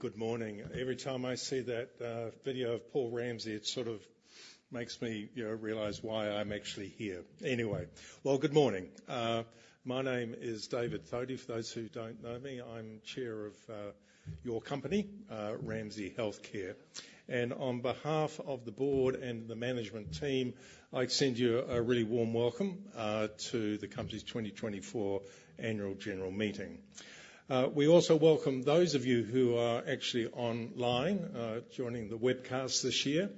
Good morning. Every time I see that video of Paul Ramsay, it sort of makes me, you know, realize why I'm actually here. Anyway, good morning. My name is David Thodey. For those who don't know me, I'm Chair of your company, Ramsay Health Care. And on behalf of the board and the management team, I extend you a really warm welcome to the company's 2024 annual general meeting. We also welcome those of you who are actually online, joining the webcast this year.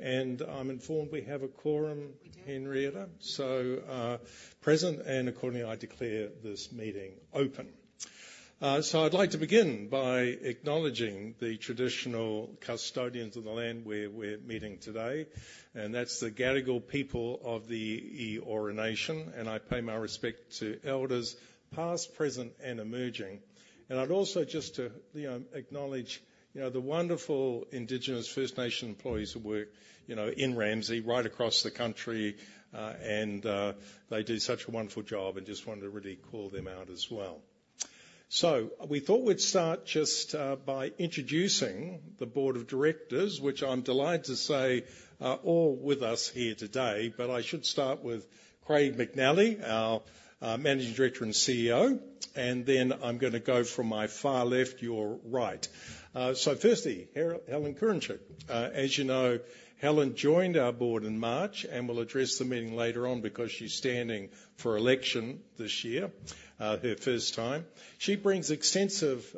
And I'm informed we have a quorum, Henrietta. We do. Present, and accordingly, I declare this meeting open. So I'd like to begin by acknowledging the traditional custodians of the land where we're meeting today, and that's the Gadigal people of the Eora Nation. And I pay my respect to elders past, present, and emerging. And I'd also just to, you know, acknowledge, you know, the wonderful Indigenous First Nation employees who work, you know, in Ramsay right across the country, and, they do such a wonderful job. And just wanted to really call them out as well. So we thought we'd start just, by introducing the board of directors, which I'm delighted to say are all with us here today. But I should start with Craig McNally, our Managing Director and CEO. And then I'm gonna go from my far left, your right. So firstly, Helen Kurincic. As you know, Helen joined our board in March and will address the meeting later on because she's standing for election this year, her first time. She brings extensive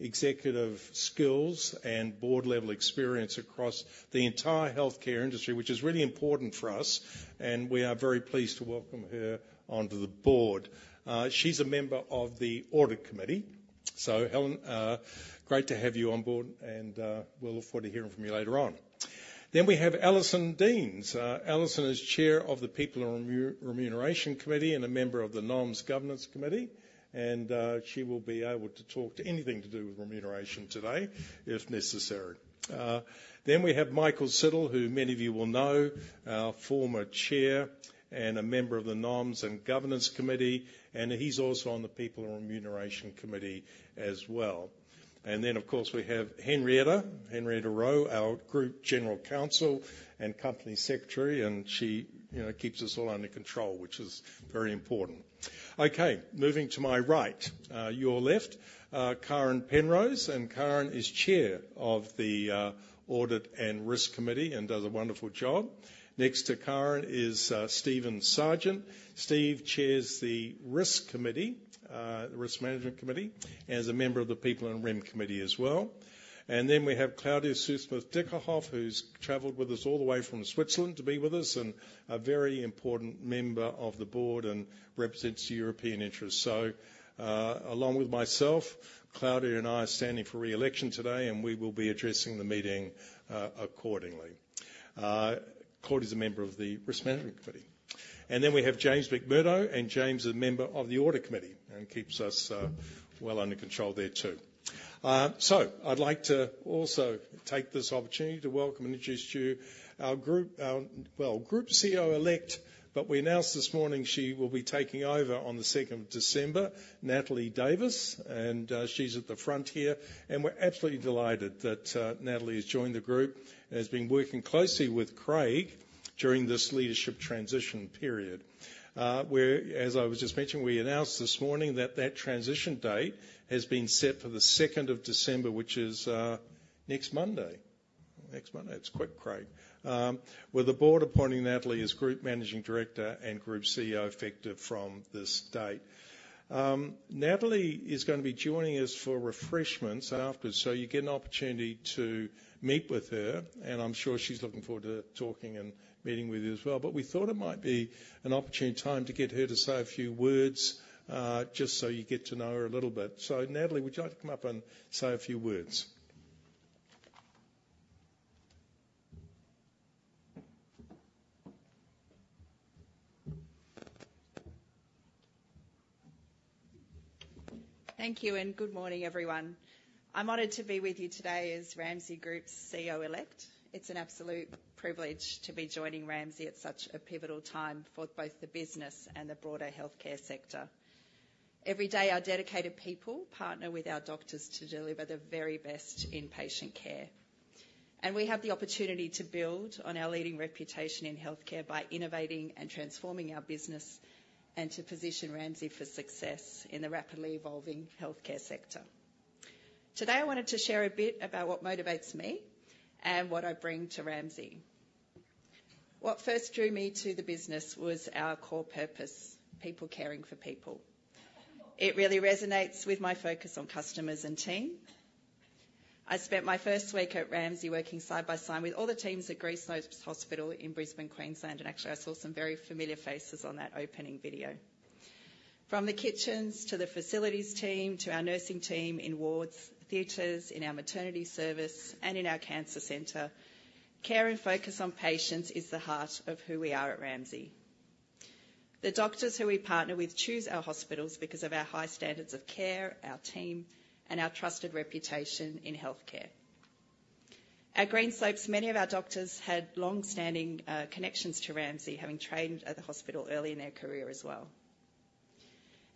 executive skills and board-level experience across the entire healthcare industry, which is really important for us, and we are very pleased to welcome her onto the board. She's a member of the audit committee. So, Helen, great to have you on board, and we'll look forward to hearing from you later on. Then we have Alison Deans. Alison is Chair of the People and Remuneration Committee and a member of the Nomination Governance Committee, and she will be able to talk to anything to do with remuneration today if necessary. Then we have Michael Siddle, who many of you will know, former Chair and a member of the Nomination and Governance Committee. And he's also on the People and Remuneration Committee as well. And then, of course, we have Henrietta, Henrietta Rowe, our group general counsel and company secretary. And she, you know, keeps us all under control, which is very important. Okay, moving to my right, your left, Karen Penrose. And Karen is chair of the Audit and Risk Committee and does a wonderful job. Next to Karen is Steven Sargent. Steve chairs the Risk Committee, the Risk Management Committee, and is a member of the People and Remuneration Committee as well. And then we have Claudia Süssmuth-Dyckerhoff, who's traveled with us all the way from Switzerland to be with us and a very important member of the board and represents European interests. So, along with myself, Claudia and I are standing for reelection today, and we will be addressing the meeting, accordingly. Claudia's a member of the Risk Management Committee. Then we have James McMurdo, and James, a member of the Audit Committee, and keeps us well under control there too. So I'd like to also take this opportunity to welcome and introduce to you our group, well, Group CEO-elect, but we announced this morning she will be taking over on the 2nd of December, Natalie Davis. She's at the front here. We're absolutely delighted that Natalie has joined the group and has been working closely with Craig during this leadership transition period, where, as I was just mentioning, we announced this morning that that transition date has been set for the 2nd of December, which is next Monday. Next Monday. It's quick, Craig, with the board appointing Natalie as Group Managing Director and Group CEO effective from this date. Natalie is gonna be joining us for refreshments after. So you get an opportunity to meet with her. And I'm sure she's looking forward to talking and meeting with you as well. But we thought it might be an opportune time to get her to say a few words, just so you get to know her a little bit. So, Natalie, would you like to come up and say a few words? Thank you and good morning, everyone. I'm honored to be with you today as Ramsay Group's CEO-elect. It's an absolute privilege to be joining Ramsay at such a pivotal time for both the business and the broader healthcare sector. Every day, our dedicated people partner with our doctors to deliver the very best in patient care, and we have the opportunity to build on our leading reputation in healthcare by innovating and transforming our business and to position Ramsay for success in the rapidly evolving healthcare sector. Today, I wanted to share a bit about what motivates me and what I bring to Ramsay. What first drew me to the business was our core purpose: people caring for people. It really resonates with my focus on customers and team. I spent my first week at Ramsay working side by side with all the teams at Greenslopes Private Hospital in Brisbane, Queensland, and actually, I saw some very familiar faces on that opening video. From the kitchens to the facilities team to our nursing team in wards, theaters, in our maternity service, and in our cancer center, care and focus on patients is the heart of who we are at Ramsay. The doctors who we partner with choose our hospitals because of our high standards of care, our team, and our trusted reputation in healthcare. At Greenslopes Private Hospital, many of our doctors had long-standing connections to Ramsay, having trained at the hospital early in their career as well,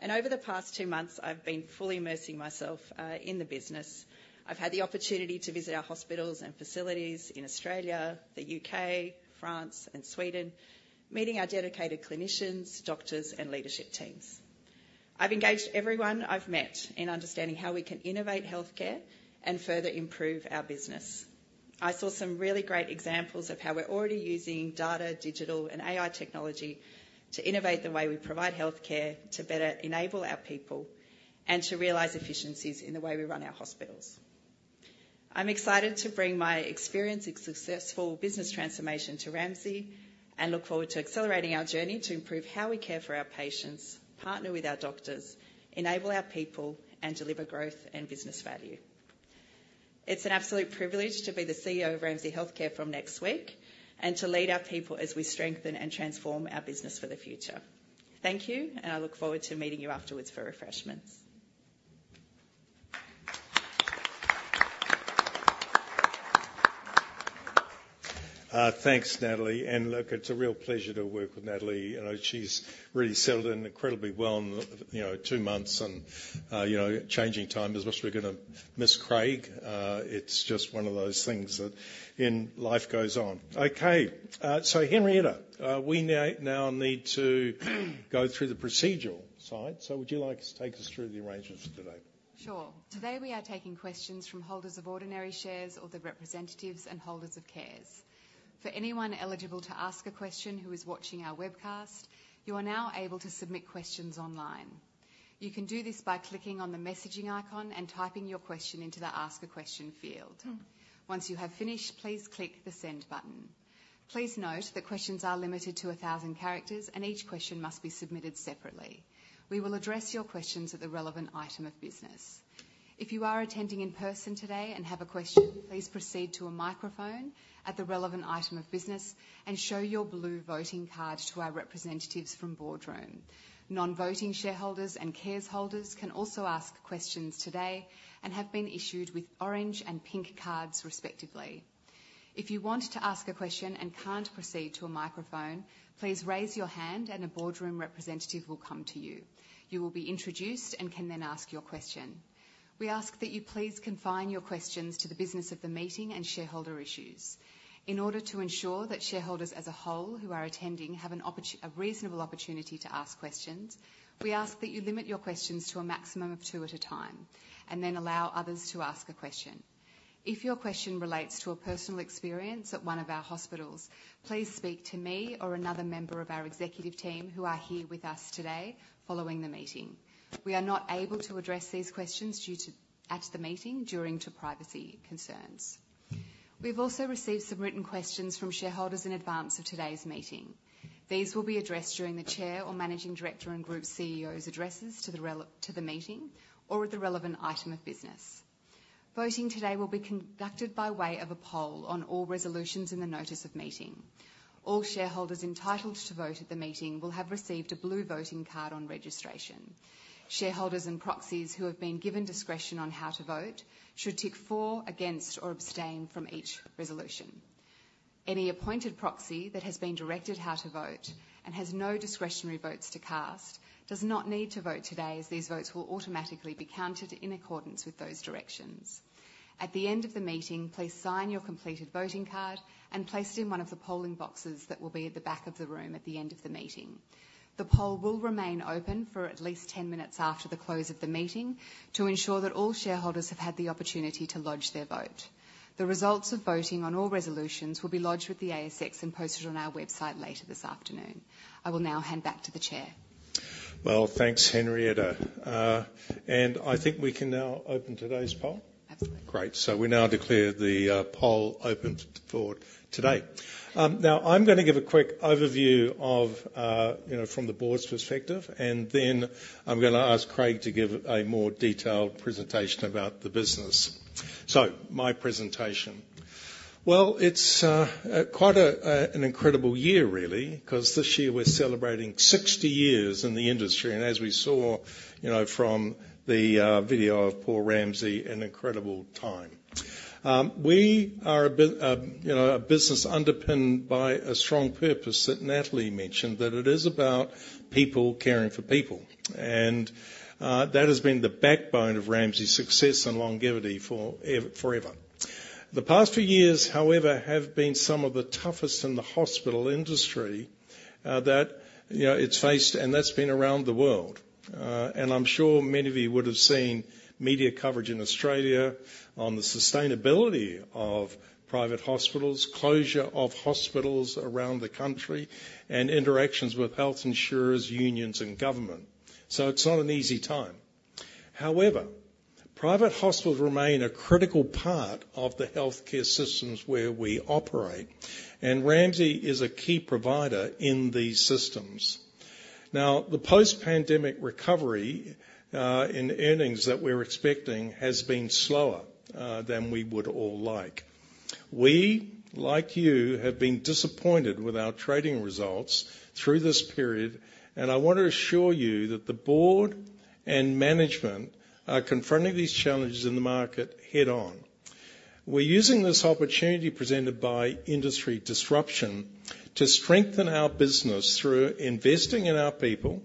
and over the past two months, I've been fully immersing myself in the business. I've had the opportunity to visit our hospitals and facilities in Australia, the U.K., France, and Sweden, meeting our dedicated clinicians, doctors, and leadership teams. I've engaged everyone I've met in understanding how we can innovate healthcare and further improve our business. I saw some really great examples of how we're already using data, digital, and AI technology to innovate the way we provide healthcare to better enable our people and to realize efficiencies in the way we run our hospitals. I'm excited to bring my experience in successful business transformation to Ramsay and look forward to accelerating our journey to improve how we care for our patients, partner with our doctors, enable our people, and deliver growth and business value. It's an absolute privilege to be the CEO of Ramsay Health Care from next week and to lead our people as we strengthen and transform our business for the future. Thank you, and I look forward to meeting you afterwards for refreshments. Thanks, Natalie. And look, it's a real pleasure to work with Natalie. You know, she's really settled in incredibly well in the, you know, two months and, you know, changing time, as we're gonna miss Craig. It's just one of those things that, you know, life goes on. Okay. So Henrietta, we now need to go through the procedural side. So would you like to take us through the arrangements for today? Sure. Today, we are taking questions from holders of ordinary shares or the representatives and holders of CDIs. For anyone eligible to ask a question who is watching our webcast, you are now able to submit questions online. You can do this by clicking on the messaging icon and typing your question into the Ask a Question field. Once you have finished, please click the Send button. Please note that questions are limited to 1,000 characters, and each question must be submitted separately. We will address your questions at the relevant item of business. If you are attending in person today and have a question, please proceed to a microphone at the relevant item of business and show your blue voting card to our representatives from Boardroom. Non-voting shareholders and CDIs holders can also ask questions today and have been issued with orange and pink cards, respectively. If you want to ask a question and can't proceed to a microphone, please raise your hand, and a boardroom representative will come to you. You will be introduced and can then ask your question. We ask that you please confine your questions to the business of the meeting and shareholder issues. In order to ensure that shareholders as a whole who are attending have a reasonable opportunity to ask questions, we ask that you limit your questions to a maximum of two at a time and then allow others to ask a question. If your question relates to a personal experience at one of our hospitals, please speak to me or another member of our executive team who are here with us today following the meeting. We are not able to address these questions at the meeting due to privacy concerns. We've also received some written questions from shareholders in advance of today's meeting. These will be addressed during the Chair's or Managing Director and Group CEO's addresses to the meeting or at the relevant item of business. Voting today will be conducted by way of a poll on all resolutions in the notice of meeting. All shareholders entitled to vote at the meeting will have received a blue voting card on registration. Shareholders and proxies who have been given discretion on how to vote should tick for, against, or abstain from each resolution. Any appointed proxy that has been directed how to vote and has no discretionary votes to cast does not need to vote today, as these votes will automatically be counted in accordance with those directions. At the end of the meeting, please sign your completed voting card and place it in one of the polling boxes that will be at the back of the room at the end of the meeting. The poll will remain open for at least 10 minutes after the close of the meeting to ensure that all shareholders have had the opportunity to lodge their vote. The results of voting on all resolutions will be lodged with the ASX and posted on our website later this afternoon. I will now hand back to the chair. Thanks, Henrietta, and I think we can now open today's poll. Absolutely. Great. So we now declare the poll open for today. Now I'm gonna give a quick overview of, you know, from the board's perspective. And then I'm gonna ask Craig to give a more detailed presentation about the business. So my presentation. Well, it's quite an incredible year, really, 'cause this year we're celebrating 60 years in the industry. And as we saw, you know, from the video of Paul Ramsay, an incredible time. We are a, you know, a business underpinned by a strong purpose that Natalie mentioned, that it is about people caring for people. And that has been the backbone of Ramsay's success and longevity forever. The past few years, however, have been some of the toughest in the hospital industry, that, you know, it's faced, and that's been around the world. And I'm sure many of you would've seen media coverage in Australia on the sustainability of private hospitals, closure of hospitals around the country, and interactions with health insurers, unions, and government. So it's not an easy time. However, private hospitals remain a critical part of the healthcare systems where we operate. And Ramsay is a key provider in these systems. Now, the post-pandemic recovery in earnings that we're expecting has been slower than we would all like. We, like you, have been disappointed with our trading results through this period. And I wanna assure you that the board and management are confronting these challenges in the market head-on. We're using this opportunity presented by industry disruption to strengthen our business through investing in our people,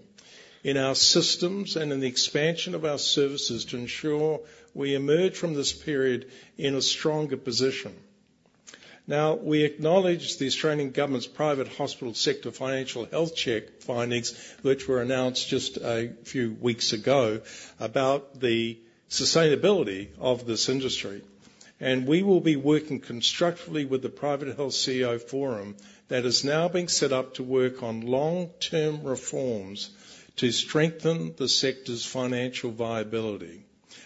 in our systems, and in the expansion of our services to ensure we emerge from this period in a stronger position. Now, we acknowledge the Australian government's private hospital sector financial health check findings, which were announced just a few weeks ago about the sustainability of this industry, and we will be working constructively with the Private Health CEO Forum that is now being set up to work on long-term reforms to strengthen the sector's financial viability.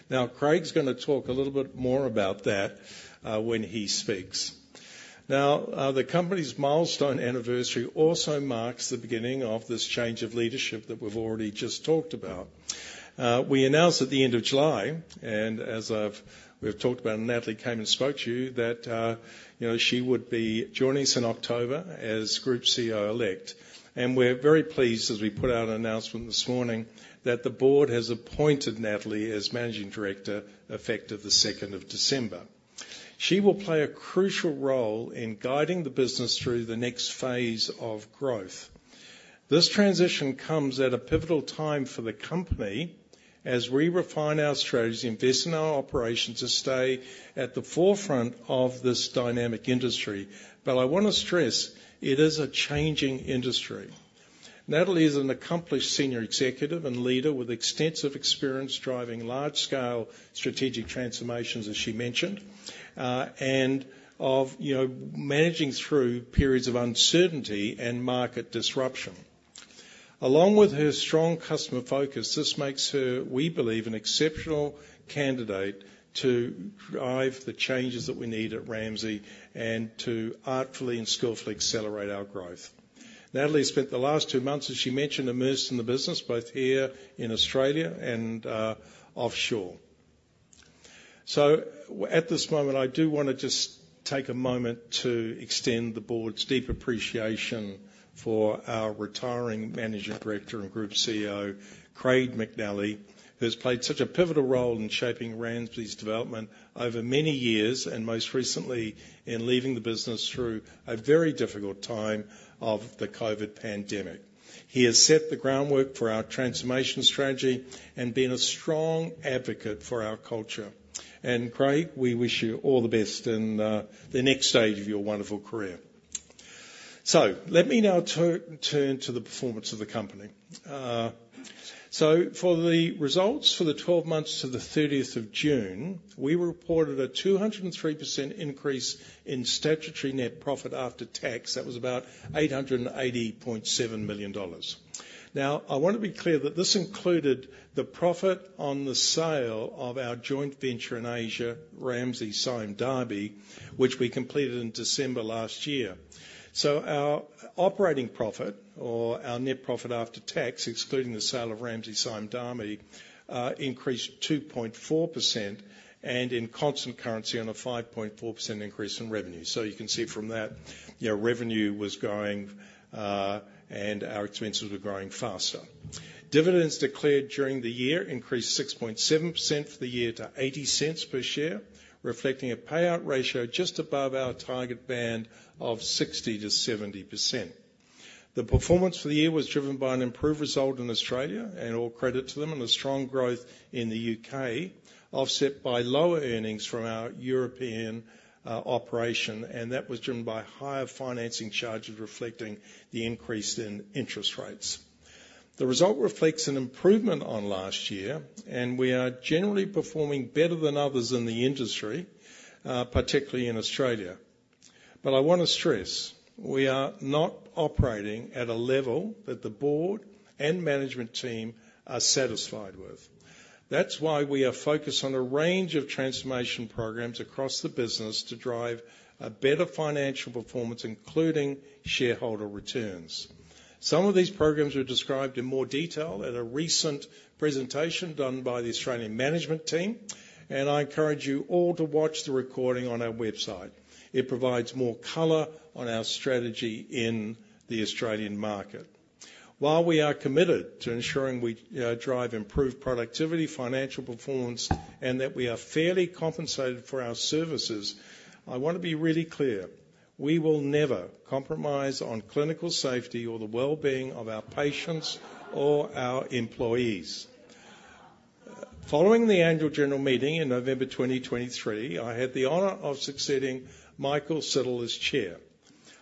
Now, Craig's gonna talk a little bit more about that, when he speaks. Now, the company's milestone anniversary also marks the beginning of this change of leadership that we've already just talked about. We announced at the end of July, and as I've talked about, and Natalie came and spoke to you, that, you know, she would be joining us in October as group CEO elect, and we're very pleased, as we put out an announcement this morning, that the board has appointed Natalie as managing director effective the 2nd of December. She will play a crucial role in guiding the business through the next phase of growth. This transition comes at a pivotal time for the company as we refine our strategies, invest in our operations to stay at the forefront of this dynamic industry. But I wanna stress it is a changing industry. Natalie is an accomplished senior executive and leader with extensive experience driving large-scale strategic transformations, as she mentioned, and of, you know, managing through periods of uncertainty and market disruption. Along with her strong customer focus, this makes her, we believe, an exceptional candidate to drive the changes that we need at Ramsay and to artfully and skillfully accelerate our growth. Natalie spent the last two months, as she mentioned, immersed in the business, both here in Australia and, offshore. So at this moment, I do wanna just take a moment to extend the board's deep appreciation for our retiring Managing Director and Group CEO, Craig McNally, who's played such a pivotal role in shaping Ramsay's development over many years, and most recently in leading the business through a very difficult time of the COVID pandemic. He has set the groundwork for our transformation strategy and been a strong advocate for our culture. And Craig, we wish you all the best in the next stage of your wonderful career. So let me now turn to the performance of the company. So for the results for the 12 months to the 30th of June, we reported a 203% increase in statutory net profit after tax. That was about 880.7 million dollars. Now, I wanna be clear that this included the profit on the sale of our joint venture in Asia, Ramsay Sime Darby, which we completed in December last year. So our operating profit, or our net profit after tax, excluding the sale of Ramsay Sime Darby, increased 2.4% and in constant currency on a 5.4% increase in revenue. So you can see from that, you know, revenue was growing, and our expenses were growing faster. Dividends declared during the year increased 6.7% for the year to 0.80 per share, reflecting a payout ratio just above our target band of 60%-70%. The performance for the year was driven by an improved result in Australia, and all credit to them, and a strong growth in the U.K., offset by lower earnings from our European operation. And that was driven by higher financing charges, reflecting the increase in interest rates. The result reflects an improvement on last year, and we are generally performing better than others in the industry, particularly in Australia, but I wanna stress we are not operating at a level that the board and management team are satisfied with. That's why we are focused on a range of transformation programs across the business to drive a better financial performance, including shareholder returns. Some of these programs are described in more detail at a recent presentation done by the Australian management team, and I encourage you all to watch the recording on our website. It provides more color on our strategy in the Australian market. While we are committed to ensuring we drive improved productivity, financial performance, and that we are fairly compensated for our services, I wanna be really clear we will never compromise on clinical safety or the well-being of our patients or our employees. Following the annual general meeting in November 2023, I had the honor of succeeding Michael Siddle as chair.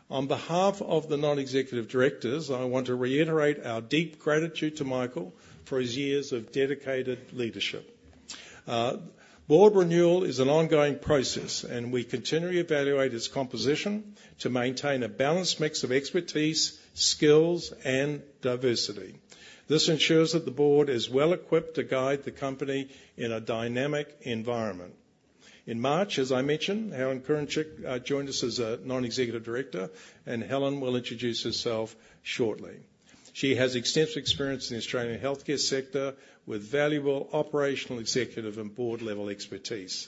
On behalf of the non-executive directors, I want to reiterate our deep gratitude to Michael for his years of dedicated leadership. Board renewal is an ongoing process, and we continually evaluate its composition to maintain a balanced mix of expertise, skills, and diversity. This ensures that the board is well-equipped to guide the company in a dynamic environment. In March, as I mentioned, Helen Kurincic joined us as a non-executive director, and Helen will introduce herself shortly. She has extensive experience in the Australian healthcare sector with valuable operational executive and board-level expertise.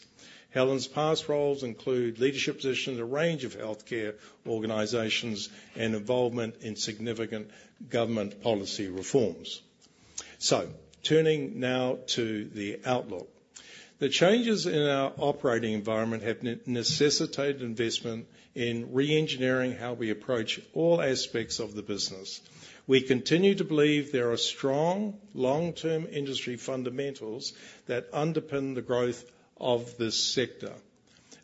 Helen's past roles include leadership positions in a range of healthcare organizations and involvement in significant government policy reforms. So turning now to the outlook, the changes in our operating environment have necessitated investment in re-engineering how we approach all aspects of the business. We continue to believe there are strong long-term industry fundamentals that underpin the growth of this sector.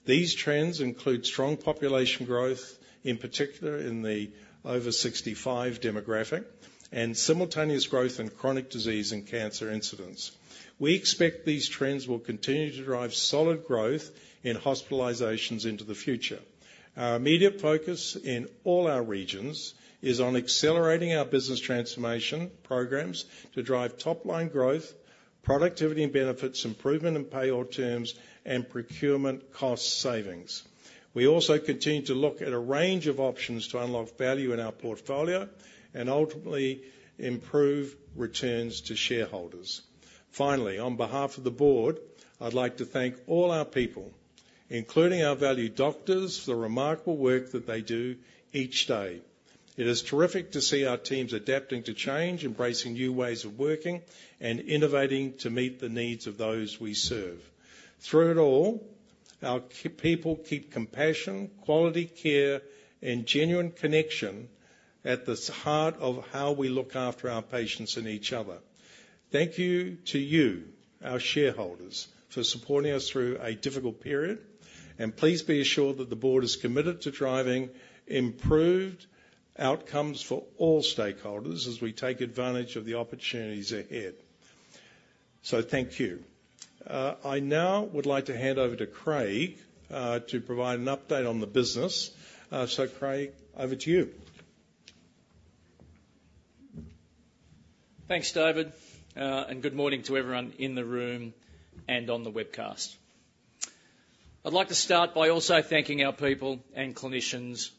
These trends include strong population growth, in particular in the over-65 demographic, and simultaneous growth in chronic disease and cancer incidents. We expect these trends will continue to drive solid growth in hospitalizations into the future. Our immediate focus in all our regions is on accelerating our business transformation programs to drive top-line growth, productivity and benefits, improvement in payroll terms, and procurement cost savings. We also continue to look at a range of options to unlock value in our portfolio and ultimately improve returns to shareholders. Finally, on behalf of the board, I'd like to thank all our people, including our valued doctors, for the remarkable work that they do each day. It is terrific to see our teams adapting to change, embracing new ways of working, and innovating to meet the needs of those we serve. Through it all, our key people keep compassion, quality care, and genuine connection at the heart of how we look after our patients and each other. Thank you to you, our shareholders, for supporting us through a difficult period. And please be assured that the board is committed to driving improved outcomes for all stakeholders as we take advantage of the opportunities ahead. So thank you. I now would like to hand over to Craig, to provide an update on the business. So Craig, over to you. Thanks, David, and good morning to everyone in the room and on the webcast. I'd like to start by also thanking our people and clinicians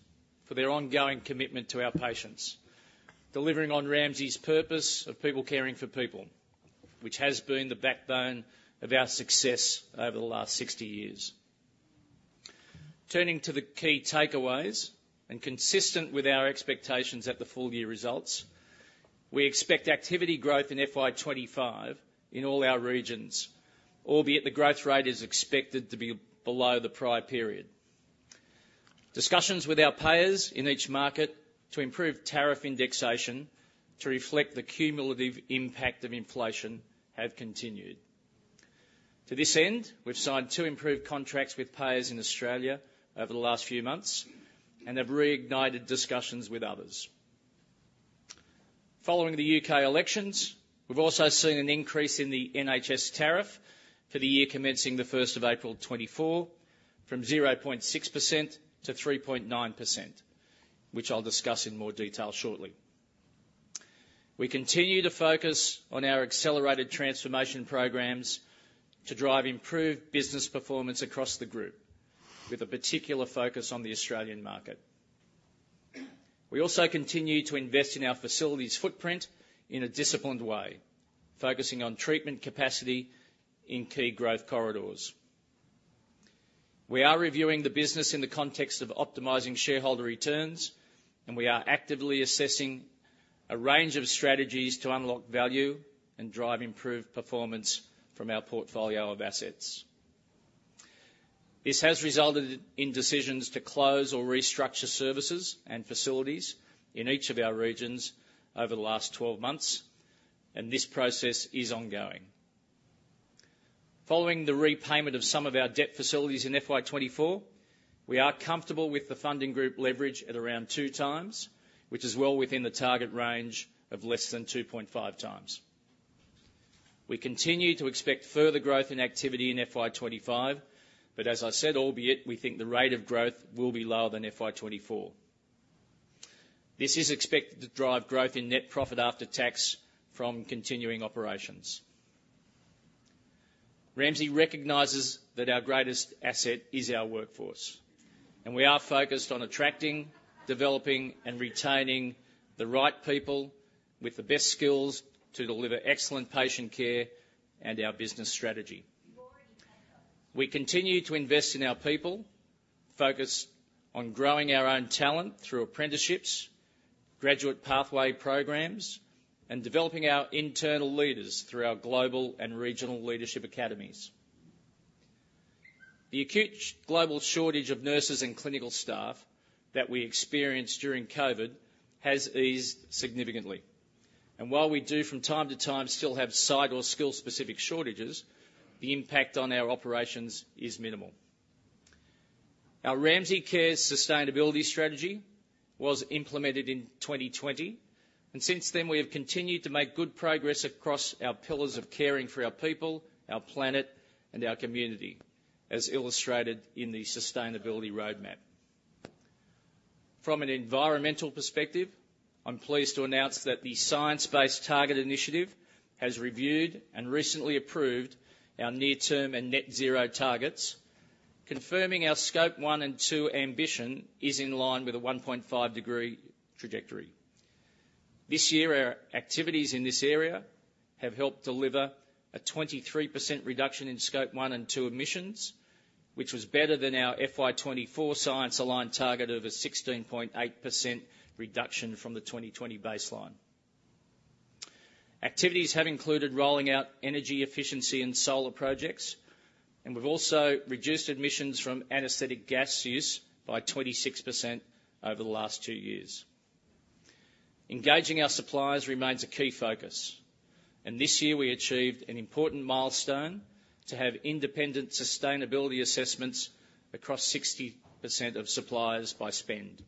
for their ongoing commitment to our patients, delivering on Ramsay's purpose of people caring for people, which has been the backbone of our success over the last 60 years. Turning to the key takeaways and consistent with our expectations at the full-year results, we expect activity growth in FY25 in all our regions, albeit the growth rate is expected to be below the prior period. Discussions with our payers in each market to improve tariff indexation to reflect the cumulative impact of inflation have continued. To this end, we've signed two improved contracts with payers in Australia over the last few months and have reignited discussions with others. Following the U.K. elections, we've also seen an increase in the NHS tariff for the year commencing the 1st of April 2024 from 0.6% to 3.9%, which I'll discuss in more detail shortly. We continue to focus on our accelerated transformation programs to drive improved business performance across the group, with a particular focus on the Australian market. We also continue to invest in our facilities footprint in a disciplined way, focusing on treatment capacity in key growth corridors. We are reviewing the business in the context of optimizing shareholder returns, and we are actively assessing a range of strategies to unlock value and drive improved performance from our portfolio of assets. This has resulted in decisions to close or restructure services and facilities in each of our regions over the last 12 months, and this process is ongoing. Following the repayment of some of our debt facilities in FY24, we are comfortable with the funding group leverage at around two times, which is well within the target range of less than 2.5 times. We continue to expect further growth in activity in FY25, but as I said, albeit we think the rate of growth will be lower than FY24. This is expected to drive growth in net profit after tax from continuing operations. Ramsay recognizes that our greatest asset is our workforce, and we are focused on attracting, developing, and retaining the right people with the best skills to deliver excellent patient care and our business strategy. We continue to invest in our people, focused on growing our own talent through apprenticeships, graduate pathway programs, and developing our internal leaders through our global and regional leadership academies. The acute global shortage of nurses and clinical staff that we experienced during COVID has eased significantly, and while we do, from time to time, still have side or skill-specific shortages, the impact on our operations is minimal. Our Ramsay Care sustainability strategy was implemented in 2020, and since then, we have continued to make good progress across our pillars of caring for our people, our planet, and our community, as illustrated in the sustainability roadmap. From an environmental perspective, I'm pleased to announce that the Science Based Targets initiative has reviewed and recently approved our near-term and net-zero targets, confirming our Scope 1 and 2 ambition is in line with a 1.5-degree trajectory. This year, our activities in this area have helped deliver a 23% reduction in Scope 1 and 2 emissions, which was better than our FY24 Science-aligned target of a 16.8% reduction from the 2020 baseline. Activities have included rolling out energy efficiency and solar projects, and we've also reduced emissions from anesthetic gas use by 26% over the last two years. Engaging our suppliers remains a key focus, and this year, we achieved an important milestone to have independent sustainability assessments across 60% of suppliers by spend.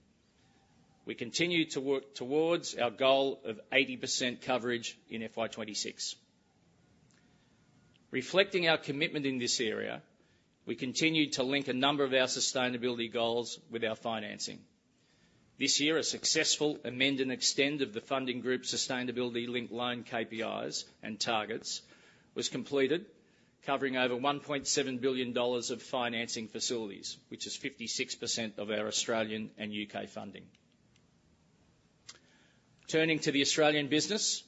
We continue to work towards our goal of 80% coverage in FY26. Reflecting our commitment in this area, we continue to link a number of our sustainability goals with our financing. This year, a successful amend and extend of the funding group's sustainability-linked loan KPIs and targets was completed, covering over 1.7 billion dollars of financing facilities, which is 56% of our Australian and U.K. funding. Turning to the Australian business,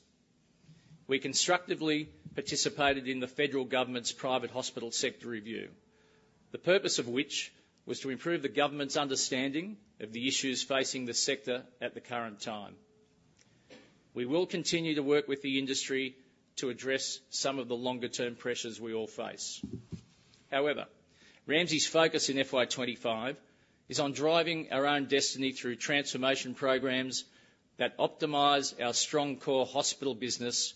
we constructively participated in the federal government's private hospital sector review, the purpose of which was to improve the government's understanding of the issues facing the sector at the current time. We will continue to work with the industry to address some of the longer-term pressures we all face. However, Ramsay's focus in FY25 is on driving our own destiny through transformation programs that optimize our strong core hospital business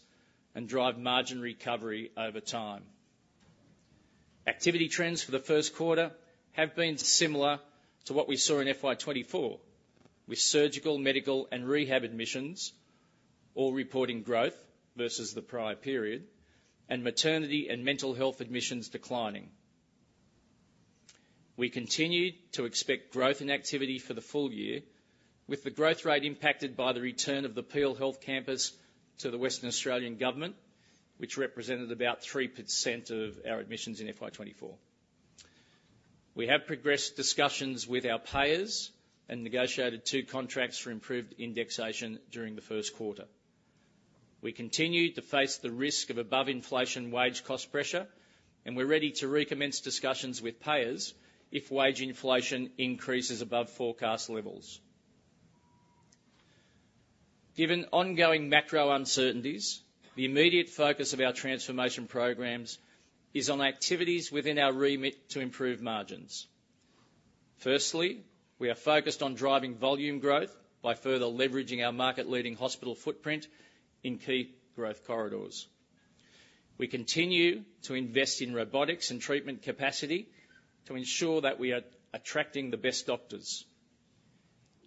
and drive margin recovery over time. Activity trends for the first quarter have been similar to what we saw in FY24, with surgical, medical, and rehab admissions all reporting growth versus the prior period and maternity and mental health admissions declining. We continue to expect growth in activity for the full year, with the growth rate impacted by the return of the Peel Health Campus to the Western Australian government, which represented about 3% of our admissions in FY24. We have progressed discussions with our payers and negotiated two contracts for improved indexation during the first quarter. We continue to face the risk of above-inflation wage cost pressure, and we're ready to recommence discussions with payers if wage inflation increases above forecast levels. Given ongoing macro uncertainties, the immediate focus of our transformation programs is on activities within our remit to improve margins. Firstly, we are focused on driving volume growth by further leveraging our market-leading hospital footprint in key growth corridors. We continue to invest in robotics and treatment capacity to ensure that we are attracting the best doctors.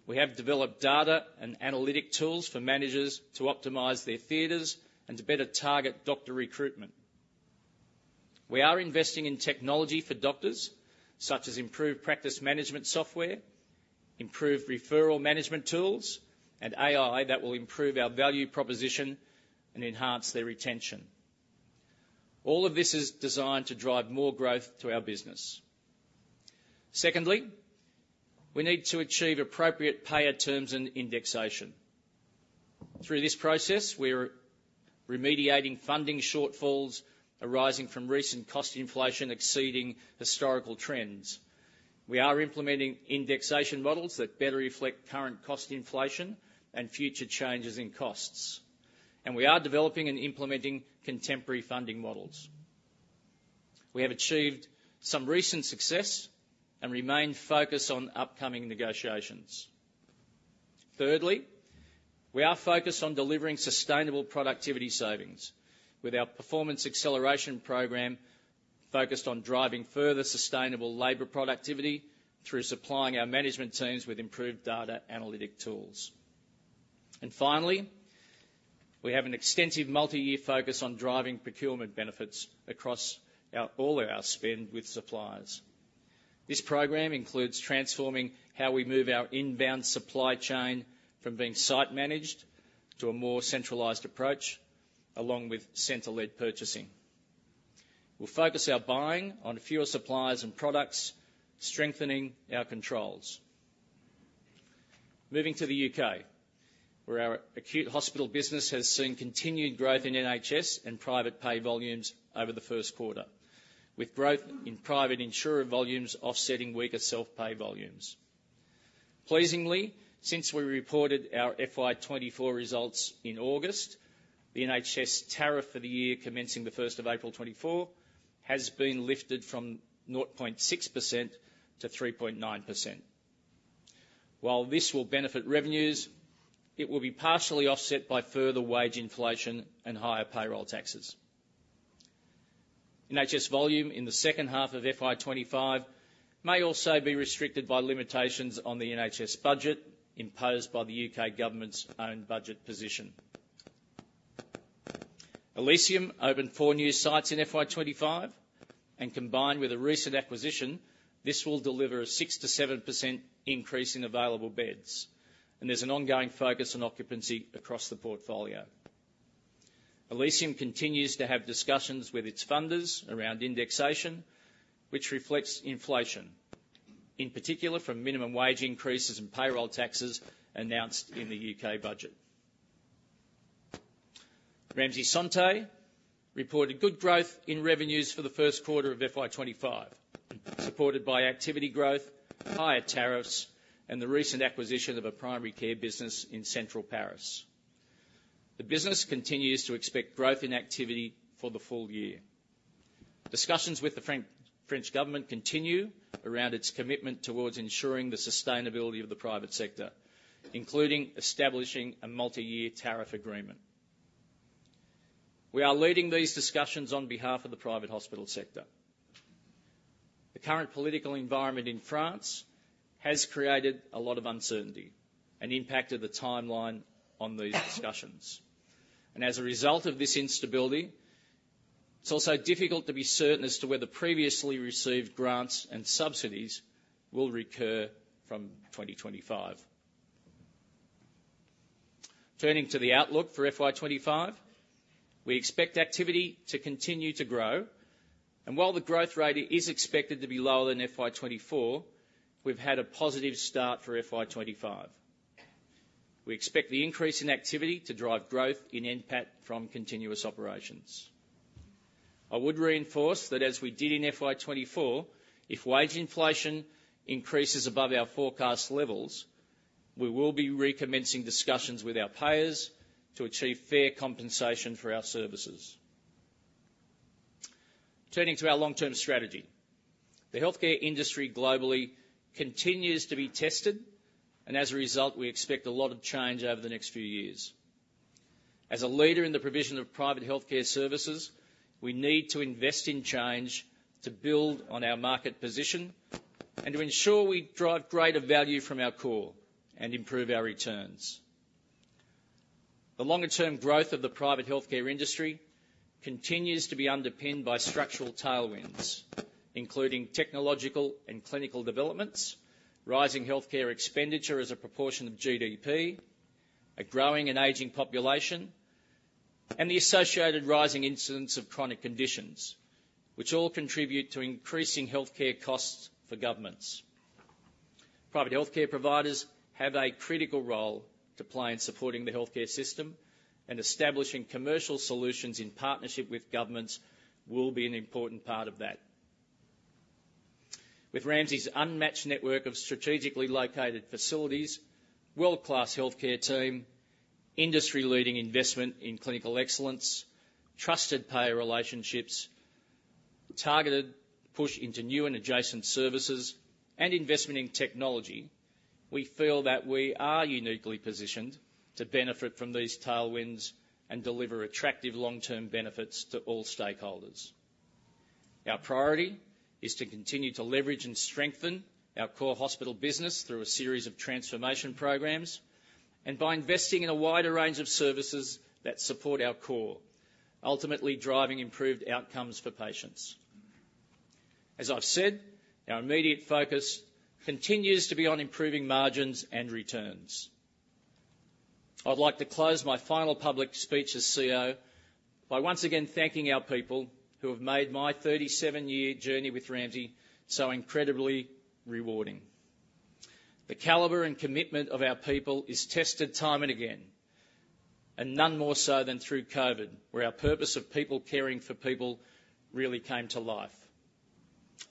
We have developed data and analytic tools for managers to optimize their theaters and to better target doctor recruitment. We are investing in technology for doctors, such as improved practice management software, improved referral management tools, and AI that will improve our value proposition and enhance their retention. All of this is designed to drive more growth to our business. Secondly, we need to achieve appropriate payer terms and indexation. Through this process, we are remediating funding shortfalls arising from recent cost inflation exceeding historical trends. We are implementing indexation models that better reflect current cost inflation and future changes in costs, and we are developing and implementing contemporary funding models. We have achieved some recent success and remain focused on upcoming negotiations. Thirdly, we are focused on delivering sustainable productivity savings with our performance acceleration program focused on driving further sustainable labor productivity through supplying our management teams with improved data analytic tools. And finally, we have an extensive multi-year focus on driving procurement benefits across all our spend with suppliers. This program includes transforming how we move our inbound supply chain from being site-managed to a more centralized approach, along with center-led purchasing. We'll focus our buying on fewer suppliers and products, strengthening our controls. Moving to the U.K., where our acute hospital business has seen continued growth in NHS and private pay volumes over the first quarter, with growth in private insurer volumes offsetting weaker self-pay volumes. Pleasingly, since we reported our FY24 results in August, the NHS tariff for the year commencing the 1st of April 2024 has been lifted from 0.6% to 3.9%. While this will benefit revenues, it will be partially offset by further wage inflation and higher payroll taxes. NHS volume in the second half of FY25 may also be restricted by limitations on the NHS budget imposed by the U.K. government's own budget position. Elysium opened four new sites in FY25, and combined with a recent acquisition, this will deliver a 6%-7% increase in available beds, and there's an ongoing focus on occupancy across the portfolio. Elysium continues to have discussions with its funders around indexation, which reflects inflation, in particular from minimum wage increases and payroll taxes announced in the U.K. budget. Ramsay Santé reported good growth in revenues for the first quarter of FY25, supported by activity growth, higher tariffs, and the recent acquisition of a primary care business in central Paris. The business continues to expect growth in activity for the full year. Discussions with the French government continue around its commitment towards ensuring the sustainability of the private sector, including establishing a multi-year tariff agreement. We are leading these discussions on behalf of the private hospital sector. The current political environment in France has created a lot of uncertainty and impacted the timeline on these discussions. And as a result of this instability, it's also difficult to be certain as to whether previously received grants and subsidies will recur from 2025. Turning to the outlook for FY25, we expect activity to continue to grow, and while the growth rate is expected to be lower than FY24, we've had a positive start for FY25. We expect the increase in activity to drive growth in NPAT from continuous operations. I would reinforce that, as we did in FY24, if wage inflation increases above our forecast levels, we will be recommencing discussions with our payers to achieve fair compensation for our services. Turning to our long-term strategy, the healthcare industry globally continues to be tested, and as a result, we expect a lot of change over the next few years. As a leader in the provision of private healthcare services, we need to invest in change to build on our market position and to ensure we drive greater value from our core and improve our returns. The longer-term growth of the private healthcare industry continues to be underpinned by structural tailwinds, including technological and clinical developments, rising healthcare expenditure as a proportion of GDP, a growing and aging population, and the associated rising incidence of chronic conditions, which all contribute to increasing healthcare costs for governments. Private healthcare providers have a critical role to play in supporting the healthcare system, and establishing commercial solutions in partnership with governments will be an important part of that. With Ramsay's unmatched network of strategically located facilities, world-class healthcare team, industry-leading investment in clinical excellence, trusted payer relationships, targeted push into new and adjacent services, and investment in technology, we feel that we are uniquely positioned to benefit from these tailwinds and deliver attractive long-term benefits to all stakeholders. Our priority is to continue to leverage and strengthen our core hospital business through a series of transformation programs and by investing in a wider range of services that support our core, ultimately driving improved outcomes for patients. As I've said, our immediate focus continues to be on improving margins and returns. I'd like to close my final public speech as CEO by once again thanking our people who have made my 37-year journey with Ramsay so incredibly rewarding. The caliber and commitment of our people is tested time and again, and none more so than through COVID, where our purpose of people caring for people really came to life.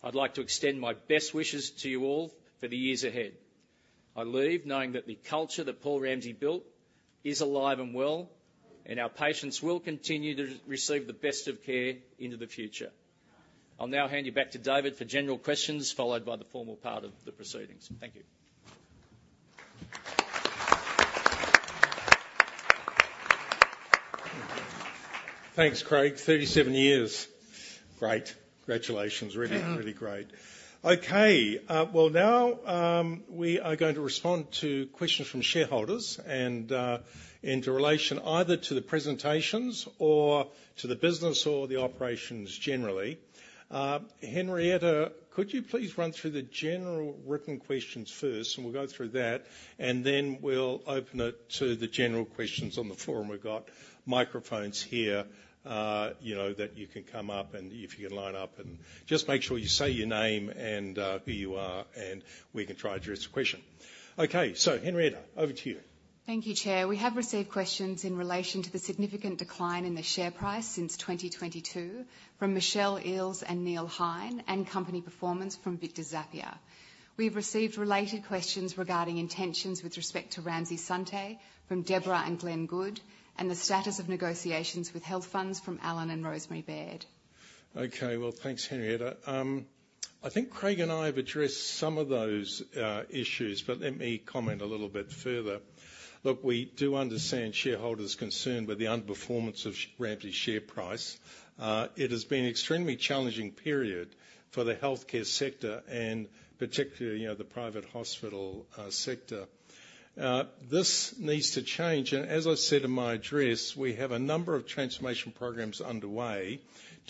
I'd like to extend my best wishes to you all for the years ahead. I leave knowing that the culture that Paul Ramsay built is alive and well, and our patients will continue to receive the best of care into the future. I'll now hand you back to David for general questions, followed by the formal part of the proceedings. Thank you. Thanks, Craig. 37 years. Great. Congratulations. Really, really great. Okay. Well, now we are going to respond to questions from shareholders in relation either to the presentations or to the business or the operations generally. Henrietta, could you please run through the general written questions first, and we'll go through that, and then we'll open it to the general questions from the floor. We've got microphones here that you can come up and if you can line up and just make sure you say your name and who you are, and we can try to address the question. Okay. So, Henrietta, over to you. Thank you, Chair. We have received questions in relation to the significant decline in the share price since 2022 from Michelle Eales and Neil Hein, and company performance from Victor Zappia. We've received related questions regarding intentions with respect to Ramsay Santé from Deborah and Glenn Good, and the status of negotiations with health funds from Alan and Rosemary Baird. Okay, well, thanks, Henrietta. I think Craig and I have addressed some of those issues, but let me comment a little bit further. Look, we do understand shareholders' concern with the underperformance of Ramsay's share price. It has been an extremely challenging period for the healthcare sector and particularly the private hospital sector. This needs to change, and as I said in my address, we have a number of transformation programs underway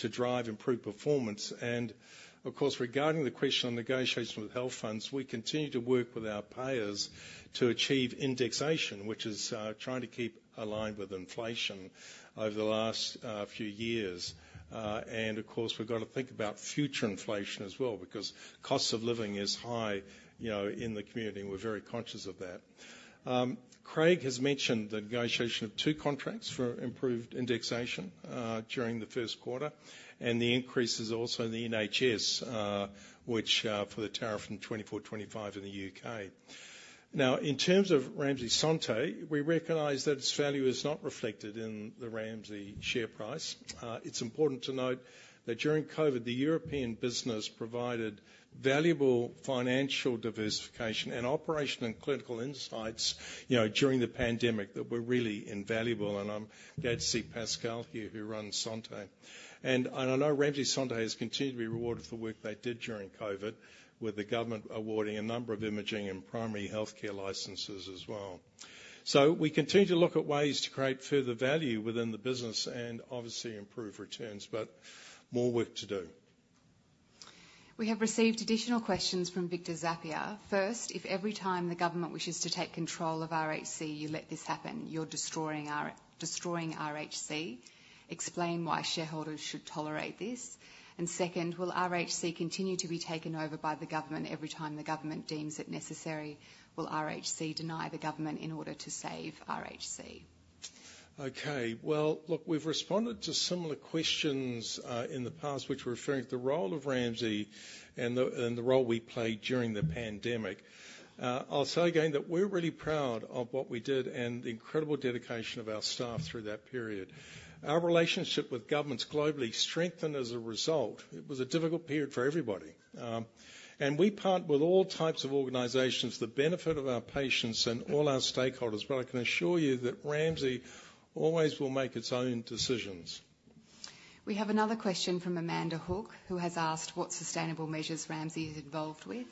to drive improved performance, and of course, regarding the question on negotiations with health funds, we continue to work with our payers to achieve indexation, which is trying to keep aligned with inflation over the last few years, and of course, we've got to think about future inflation as well because cost of living is high in the community, and we're very conscious of that. Craig has mentioned the negotiation of two contracts for improved indexation during the first quarter, and the increase is also in the NHS, which for the tariff in 24/25 in the UK. Now, in terms of Ramsay Santé, we recognize that its value is not reflected in the Ramsay share price. It's important to note that during COVID, the European business provided valuable financial diversification and operational and clinical insights during the pandemic that were really invaluable. And I'm glad to see Pascal here, who runs Santé. And I know Ramsay Santé has continued to be rewarded for the work they did during COVID, with the government awarding a number of imaging and primary healthcare licenses as well. So we continue to look at ways to create further value within the business and obviously improve returns, but more work to do. We have received additional questions from Victor Zappia. First, if every time the government wishes to take control of RHC, you let this happen, you're destroying RHC, explain why shareholders should tolerate this? And second, will RHC continue to be taken over by the government every time the government deems it necessary? Will RHC deny the government in order to save RHC? Okay. Well, look, we've responded to similar questions in the past, which were referring to the role of Ramsay and the role we played during the pandemic. I'll say again that we're really proud of what we did and the incredible dedication of our staff through that period. Our relationship with governments globally strengthened as a result. It was a difficult period for everybody. And we partner with all types of organizations, the benefit of our patients and all our stakeholders, but I can assure you that Ramsay always will make its own decisions. We have another question from Amanda Hook, who has asked what sustainable measures Ramsay is involved with.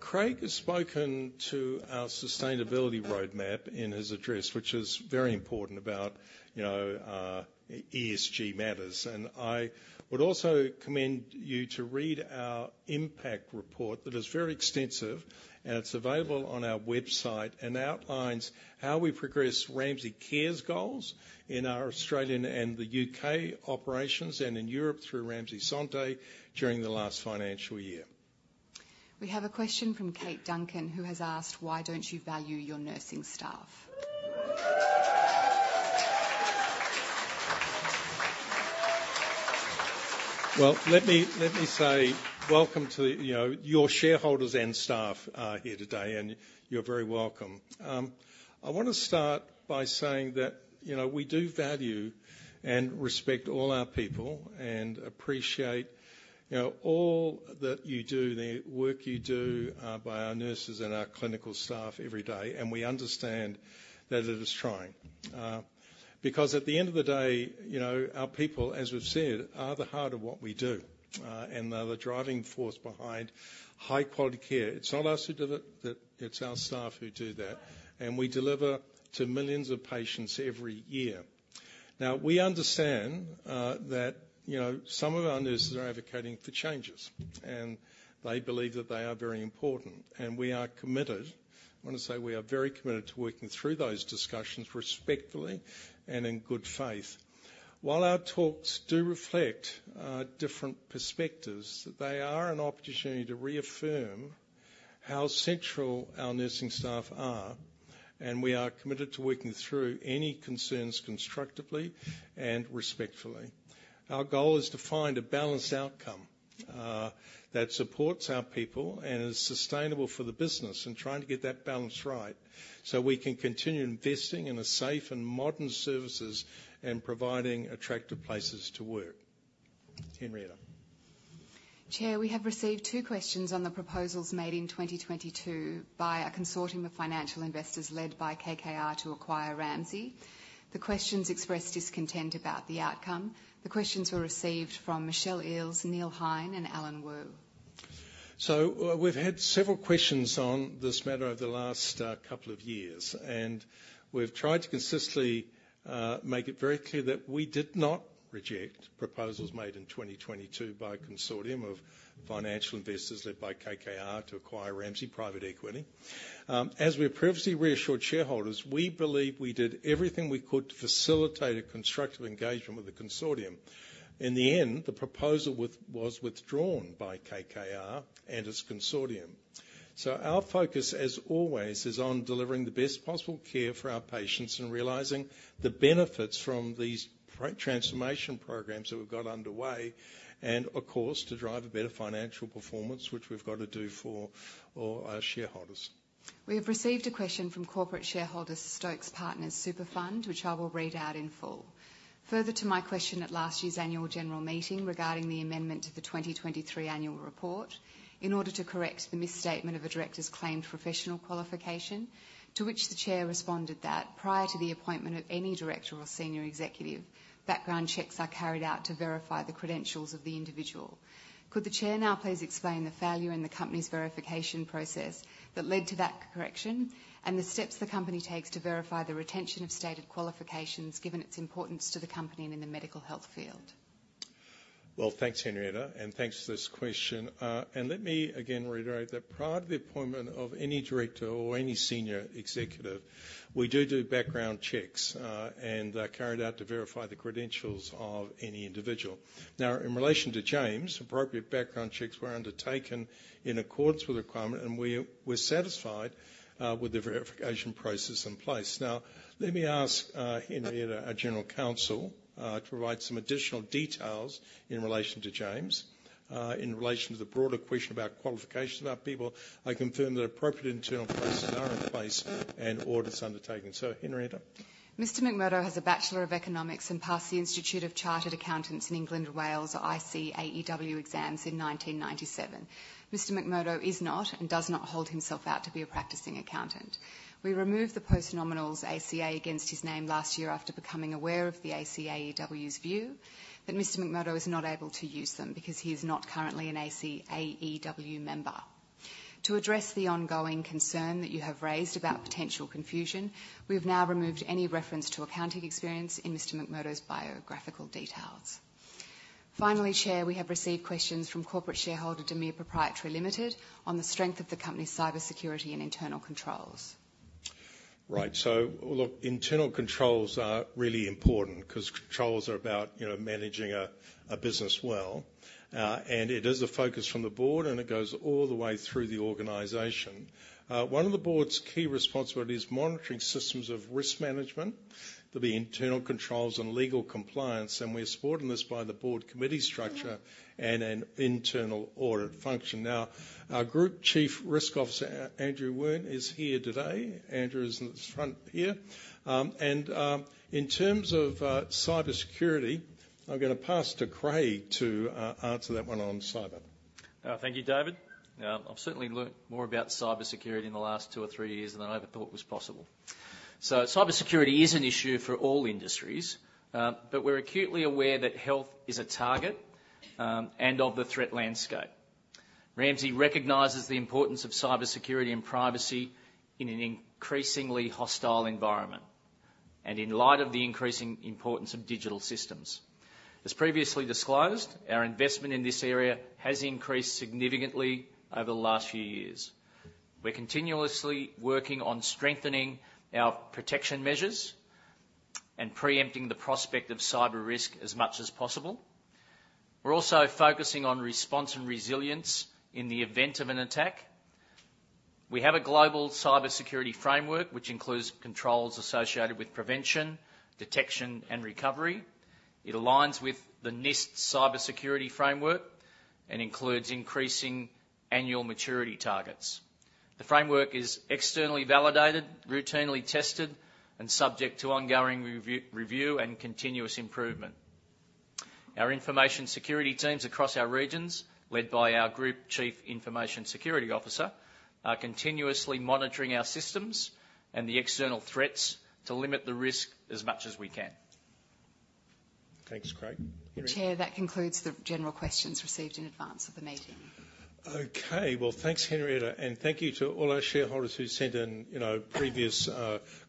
Craig has spoken to our sustainability roadmap in his address, which is very important about ESG matters, and I would also commend you to read our impact report that is very extensive, and it's available on our website and outlines how we progress Ramsay Care's goals in our Australian and the UK operations and in Europe through Ramsay Santé during the last financial year. We have a question from Kate Duncan, who has asked, "Why don't you value your nursing staff? Let me say welcome to your shareholders and staff here today, and you're very welcome. I want to start by saying that we do value and respect all our people and appreciate all that you do, the work you do by our nurses and our clinical staff every day. We understand that it is trying because at the end of the day, our people, as we've said, are the heart of what we do, and they're the driving force behind high-quality care. It's not us who do it. It's our staff who do that. We deliver to millions of patients every year. Now, we understand that some of our nurses are advocating for changes, and they believe that they are very important. We are committed. I want to say we are very committed to working through those discussions respectfully and in good faith. While our talks do reflect different perspectives, they are an opportunity to reaffirm how central our nursing staff are, and we are committed to working through any concerns constructively and respectfully. Our goal is to find a balanced outcome that supports our people and is sustainable for the business, and trying to get that balance right so we can continue investing in safe and modern services and providing attractive places to work. Henrietta. Chair, we have received two questions on the proposals made in 2022 by a consortium of financial investors led by KKR to acquire Ramsay. The questions expressed discontent about the outcome. The questions were received from Michelle Eales, Neil Hein, and Alan Woo. So we've had several questions on this matter over the last couple of years, and we've tried to consistently make it very clear that we did not reject proposals made in 2022 by a consortium of financial investors led by KKR to acquire Ramsay Health Care. As we previously reassured shareholders, we believe we did everything we could to facilitate a constructive engagement with the consortium. In the end, the proposal was withdrawn by KKR and its consortium. So our focus, as always, is on delivering the best possible care for our patients and realizing the benefits from these transformation programs that we've got underway and, of course, to drive a better financial performance, which we've got to do for our shareholders. We have received a question from corporate shareholder Stokes Partners Superfund, which I will read out in full. Further to my question at last year's annual general meeting regarding the amendment to the 2023 annual report in order to correct the misstatement of a director's claimed professional qualification, to which the chair responded that prior to the appointment of any director or senior executive, background checks are carried out to verify the credentials of the individual. Could the chair now please explain the failure in the company's verification process that led to that correction and the steps the company takes to verify the retention of stated qualifications given its importance to the company and in the medical health field? Thanks, Henrietta, and thanks for this question. Let me again reiterate that prior to the appointment of any director or any senior executive, we do do background checks and are carried out to verify the credentials of any individual. Now, in relation to James, appropriate background checks were undertaken in accordance with requirement, and we were satisfied with the verification process in place. Now, let me ask Henrietta our general counsel to provide some additional details in relation to James. In relation to the broader question about qualifications of our people, I confirm that appropriate internal processes are in place and audits undertaken. Henrietta. Mr. McMurdo has a Bachelor of Economics and passed the Institute of Chartered Accountants in England and Wales, ICAEW exams in 1997. Mr. McMurdo is not and does not hold himself out to be a practicing accountant. We removed the post-nominals ACA against his name last year after becoming aware of the ICAEW's view that Mr. McMurdo is not able to use them because he is not currently an ICAEW member. To address the ongoing concern that you have raised about potential confusion, we have now removed any reference to accounting experience in Mr. McMurdo's biographical details. Finally, Chair, we have received questions from corporate shareholder Demir Pty Ltd on the strength of the company's cybersecurity and internal controls. Right. So, look, internal controls are really important because controls are about managing a business well. And it is a focus from the board, and it goes all the way through the organization. One of the board's key responsibilities is monitoring systems of risk management, the internal controls, and legal compliance. And we're supported in this by the board committee structure and an internal audit function. Now, our Group Chief Risk Officer, Andrew Warne, is here today. Andrew is in the front here. And in terms of cybersecurity, I'm going to pass to Craig to answer that one on cyber. Thank you, David. I've certainly learned more about cybersecurity in the last two or three years than I ever thought was possible. So cybersecurity is an issue for all industries, but we're acutely aware that health is a target and of the threat landscape. Ramsay recognizes the importance of cybersecurity and privacy in an increasingly hostile environment and in light of the increasing importance of digital systems. As previously disclosed, our investment in this area has increased significantly over the last few years. We're continuously working on strengthening our protection measures and preempting the prospect of cyber risk as much as possible. We're also focusing on response and resilience in the event of an attack. We have a global cybersecurity framework, which includes controls associated with prevention, detection, and recovery. It aligns with the NIST Cybersecurity Framework and includes increasing annual maturity targets. The framework is externally validated, routinely tested, and subject to ongoing review and continuous improvement. Our information security teams across our regions, led by our group chief information security officer, are continuously monitoring our systems and the external threats to limit the risk as much as we can. Thanks, Craig. Chair, that concludes the general questions received in advance of the meeting. Okay. Well, thanks, Henrietta, and thank you to all our shareholders who sent in previous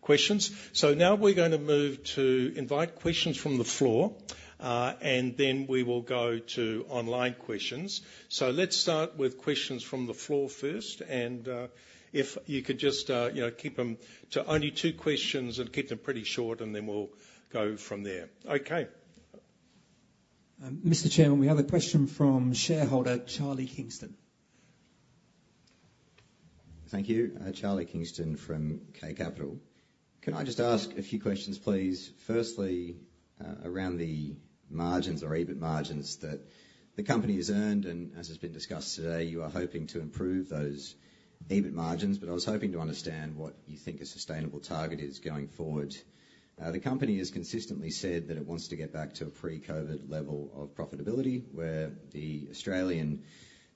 questions. So now we're going to move to invite questions from the floor, and then we will go to online questions. So let's start with questions from the floor first. And if you could just keep them to only two questions and keep them pretty short, and then we'll go from there. Okay. Mr. Chairman, we have a question from shareholder Charlie Kingston. Thank you. Charlie Kingston from K Capital. Can I just ask a few questions, please? Firstly, around the margins or EBIT margins that the company has earned, and as has been discussed today, you are hoping to improve those EBIT margins, but I was hoping to understand what you think a sustainable target is going forward. The company has consistently said that it wants to get back to a pre-COVID level of profitability, where the Australian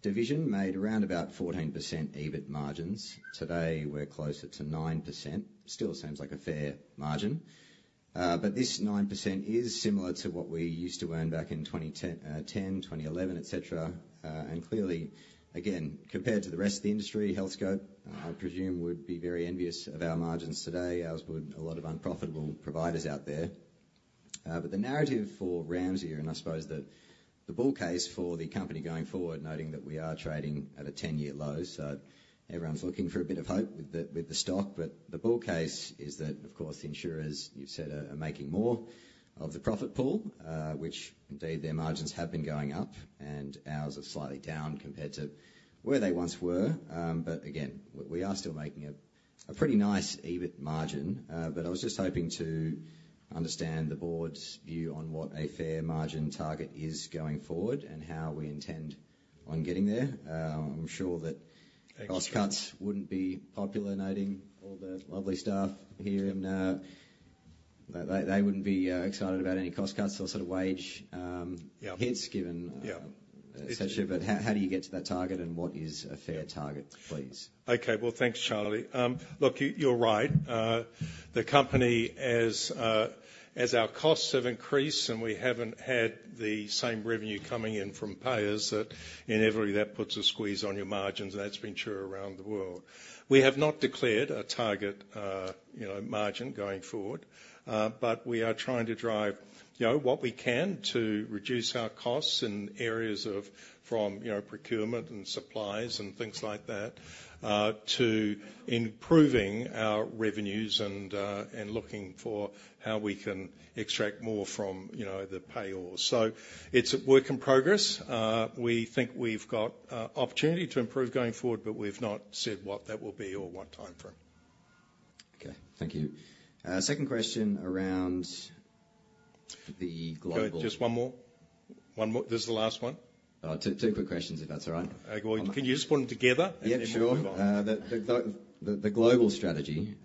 division made around about 14% EBIT margins. Today, we're closer to 9%. Still seems like a fair margin, but this 9% is similar to what we used to earn back in 2010, 2011, etc., and clearly, again, compared to the rest of the industry, Healthscope, I presume, would be very envious of our margins today, as would a lot of unprofitable providers out there. But the narrative for Ramsay, and I suppose the bull case for the company going forward, noting that we are trading at a 10-year low, so everyone's looking for a bit of hope with the stock. But the bull case is that, of course, the insurers, you've said, are making more of the profit pool, which indeed their margins have been going up, and ours are slightly down compared to where they once were. But again, we are still making a pretty nice EBIT margin. But I was just hoping to understand the board's view on what a fair margin target is going forward and how we intend on getting there. I'm sure that cost cuts wouldn't be popular, noting all the lovely staff here in, they wouldn't be excited about any cost cuts or sort of wage hits given etc. But how do you get to that target, and what is a fair target, please? Okay. Well, thanks, Charlie. Look, you're right. The company, as our costs have increased and we haven't had the same revenue coming in from payers, that inevitably puts a squeeze on your margins, and that's been true around the world. We have not declared a target margin going forward, but we are trying to drive what we can to reduce our costs in areas from procurement and supplies and things like that to improving our revenues and looking for how we can extract more from the payers. So it's a work in progress. We think we've got opportunity to improve going forward, but we've not said what that will be or what timeframe. Okay. Thank you. Second question around the global. Okay. Just one more. One more. This is the last one. Two quick questions, if that's all right. Can you just put them together and then move on? Yeah, sure. The global strategy,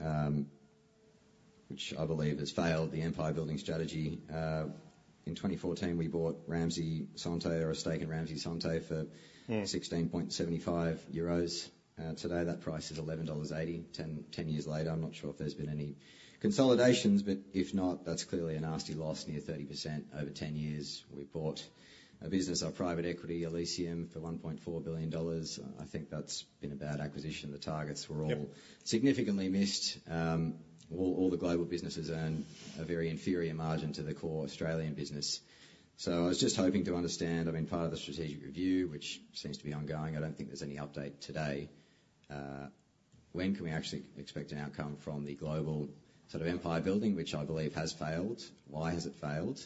which I believe has failed, the empire-building strategy. In 2014, we bought Ramsay Santé or a stake in Ramsay Santé for 16.75 euros. Today, that price is AUD 11.80. Ten years later, I'm not sure if there's been any consolidations, but if not, that's clearly a nasty loss near 30% over ten years. We bought a business, our private equity, Elysium, for 1.4 billion dollars. I think that's been a bad acquisition. The targets were all significantly missed. All the global businesses earn a very inferior margin to the core Australian business. So I was just hoping to understand, I mean, part of the strategic review, which seems to be ongoing. I don't think there's any update today. When can we actually expect an outcome from the global sort of empire-building, which I believe has failed? Why has it failed?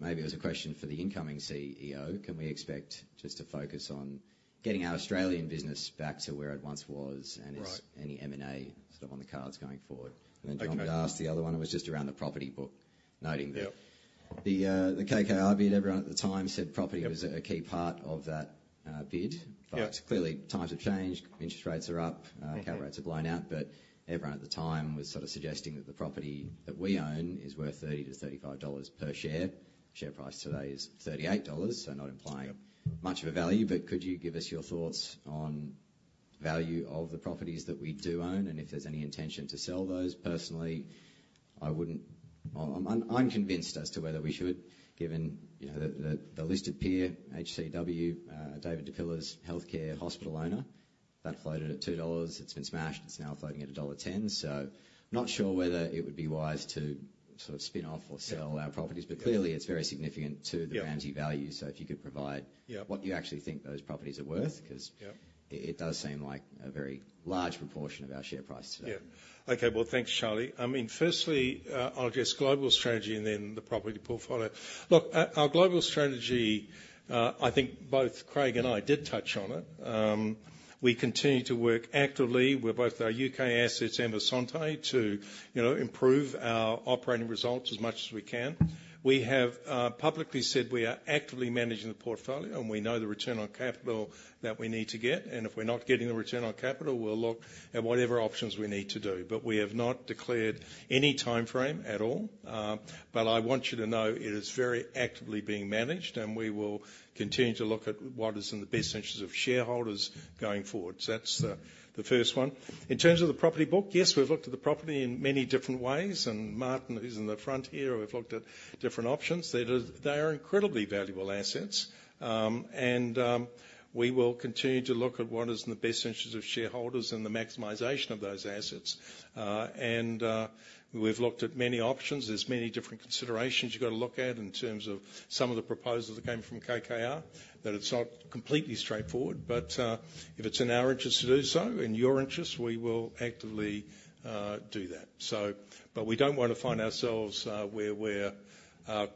Maybe it was a question for the incoming CEO. Can we expect just to focus on getting our Australian business back to where it once was and is any M&A sort of on the cards going forward? Then John could ask the other one. It was just around the property book, noting that the KKR bid, everyone at the time said property was a key part of that bid. Clearly, times have changed. Interest rates are up. Cover rates are blown out. Everyone at the time was sort of suggesting that the property that we own is worth 30-35 dollars per share. Share price today is 38 dollars, so not implying much of a value. Could you give us your thoughts on the value of the properties that we do own and if there's any intention to sell those? Personally, I'm unconvinced as to whether we should, given the listed peer, HCW, David Di Pilla's healthcare hospital owner. That floated at 2 dollars. It's been smashed. It's now floating at dollar 1.10. So I'm not sure whether it would be wise to sort of spin off or sell our properties. But clearly, it's very significant to the Ramsay value. So if you could provide what you actually think those properties are worth, because it does seem like a very large proportion of our share price today. Yeah. Okay. Well, thanks, Charlie. I mean, firstly, I'll address global strategy and then the property portfolio. Look, our global strategy, I think both Craig and I did touch on it. We continue to work actively with both our UK assets and Santé to improve our operating results as much as we can. We have publicly said we are actively managing the portfolio, and we know the return on capital that we need to get. And if we're not getting the return on capital, we'll look at whatever options we need to do. But we have not declared any timeframe at all. But I want you to know it is very actively being managed, and we will continue to look at what is in the best interest of shareholders going forward. So that's the first one. In terms of the property book, yes, we've looked at the property in many different ways. And Martyn, who's in the front here, we've looked at different options. They are incredibly valuable assets. And we will continue to look at what is in the best interest of shareholders and the maximization of those assets. And we've looked at many options. There's many different considerations you've got to look at in terms of some of the proposals that came from KKR, that it's not completely straightforward. But if it's in our interest to do so in your interest, we will actively do that. But we don't want to find ourselves where we're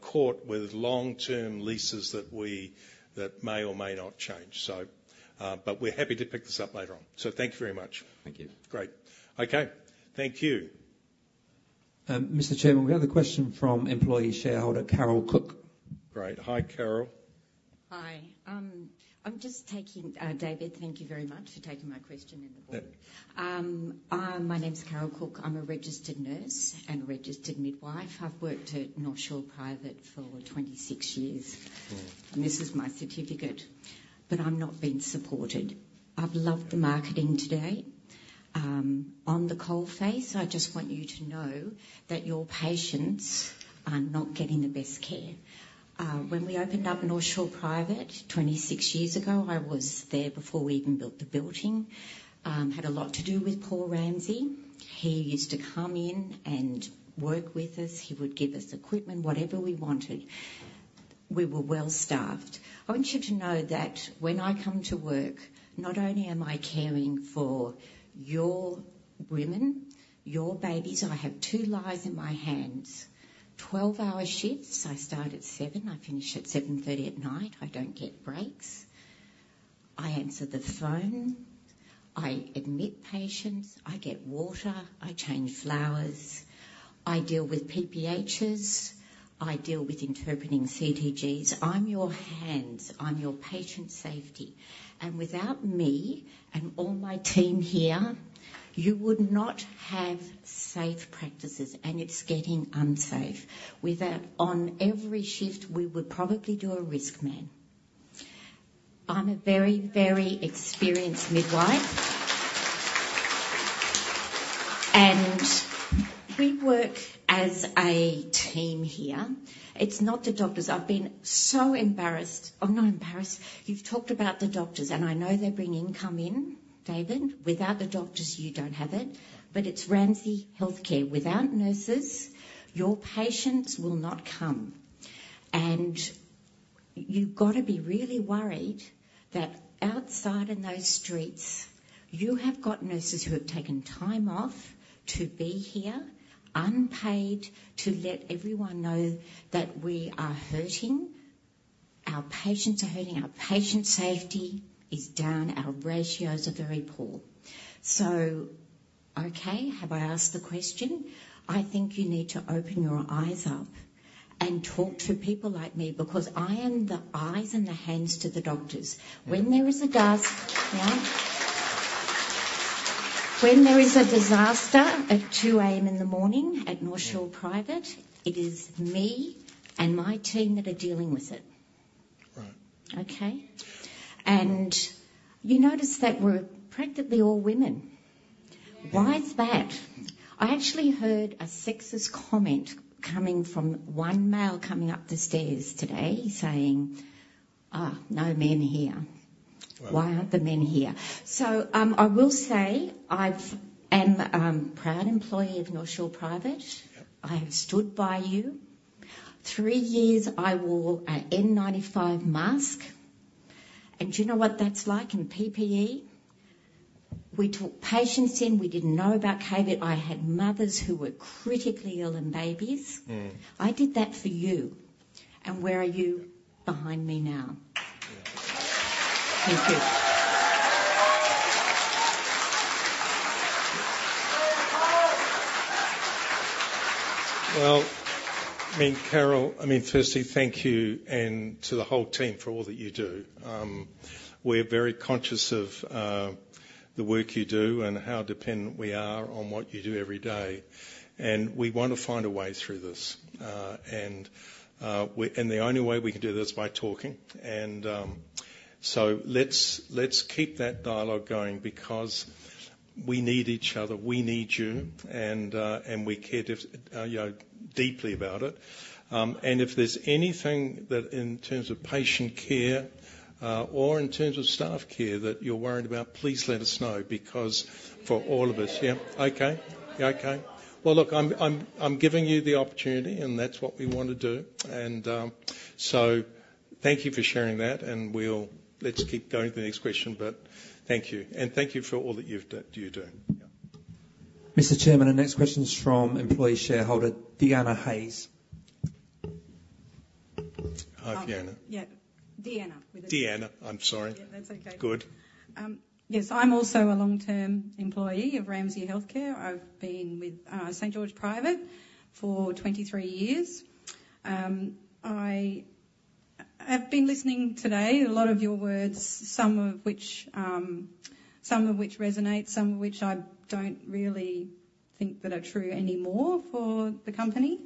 caught with long-term leases that may or may not change. But we're happy to pick this up later on. So thank you very much. Thank you. Great. Okay. Thank you. Mr. Chairman, we have a question from employee shareholder Carol Cook. Great. Hi, Carol. Hi. I'm just thanking David. Thank you very much for taking my question before the board. My name's Carol Cook. I'm a registered nurse and a registered midwife. I've worked at North Shore Private for 26 years. And this is my certificate. But I've not been supported. I've loved the marketing today. On the coalface, I just want you to know that your patients are not getting the best care. When we opened up North Shore Private 26 years ago, I was there before we even built the building. I had a lot to do with Paul Ramsay. He used to come in and work with us. He would give us equipment, whatever we wanted. We were well-staffed. I want you to know that when I come to work, not only am I caring for your women, your babies, I have two lives in my hands. 12-hour shifts. I start at 7:00 A.M. I finish at 7:30 P.M. I don't get breaks. I answer the phone. I admit patients. I get water. I change flowers. I deal with PPHs. I deal with interpreting CTGs. I'm your hands. I'm your patient safety. Without me and all my team here, you would not have safe practices. It's getting unsafe. On every shift, we would probably do a RiskMan. I'm a very, very experienced midwife. We work as a team here. It's not the doctors. I've been so embarrassed. I'm not embarrassed. You've talked about the doctors, and I know they bring income in, David. Without the doctors, you don't have it. It's Ramsay Health Care. Without nurses, your patients will not come. And you've got to be really worried that outside in those streets, you have got nurses who have taken time off to be here, unpaid, to let everyone know that we are hurting. Our patients are hurting. Our patient safety is down. Our ratios are very poor. So, okay, have I asked the question? I think you need to open your eyes up and talk to people like me because I am the eyes and the hands to the doctors. When there is a disaster, yeah? When there is a disaster at 2:00 A.M. in the morning at North Shore Private, it is me and my team that are dealing with it. Okay? And you notice that we're practically all women. Why is that? I actually heard a sexist comment coming from one male coming up the stairs today saying, "No men here. Why aren't the men here?" So I will say I'm a proud employee of North Shore Private. I have stood by you. Three years, I wore an N95 mask. And do you know what that's like in PPE? We took patients in. We didn't know about COVID. I had mothers who were critically ill and babies. I did that for you. And where are you behind me now? Thank you. Well, I mean, Carol, I mean, firstly, thank you and to the whole team for all that you do. We're very conscious of the work you do and how dependent we are on what you do every day, and we want to find a way through this, and the only way we can do this is by talking, and so let's keep that dialogue going because we need each other. We need you, and we care deeply about it, and if there's anything that in terms of patient care or in terms of staff care that you're worried about, please let us know because, for all of us, yeah? Okay. Okay. Well, look, I'm giving you the opportunity, and that's what we want to do, and so thank you for sharing that, and let's keep going to the next question, but thank you. Thank you for all that you do. Mr. Chairman, our next question is from employee shareholder Deanna Hayes. Hi, Deanna. Yeah. Deanna. Deanna. I'm sorry. Yeah, that's okay. Good. Yes. I'm also a long-term employee of Ramsay Health Care. I've been with St. George Private for 23 years. I have been listening today to a lot of your words, some of which resonate, some of which I don't really think that are true anymore for the company.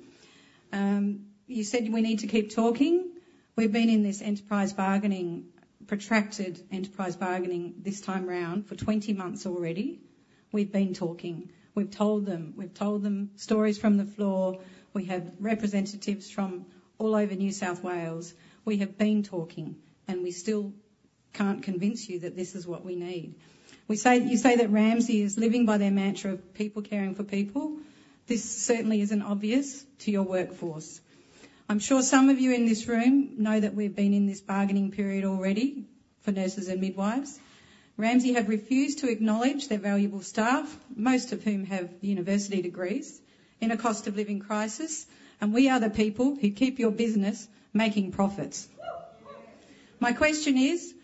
You said we need to keep talking. We've been in this enterprise bargaining, protracted enterprise bargaining this time around for 20 months already. We've been talking. We've told them. We've told them stories from the floor. We have representatives from all over New South Wales. We have been talking, and we still can't convince you that this is what we need. You say that Ramsay is living by their mantra of people caring for people. This certainly isn't obvious to your workforce. I'm sure some of you in this room know that we've been in this bargaining period already for nurses and midwives. Ramsay have refused to acknowledge their valuable staff, most of whom have university degrees, in a cost of living crisis. And we are the people who keep your business making profits. My question is,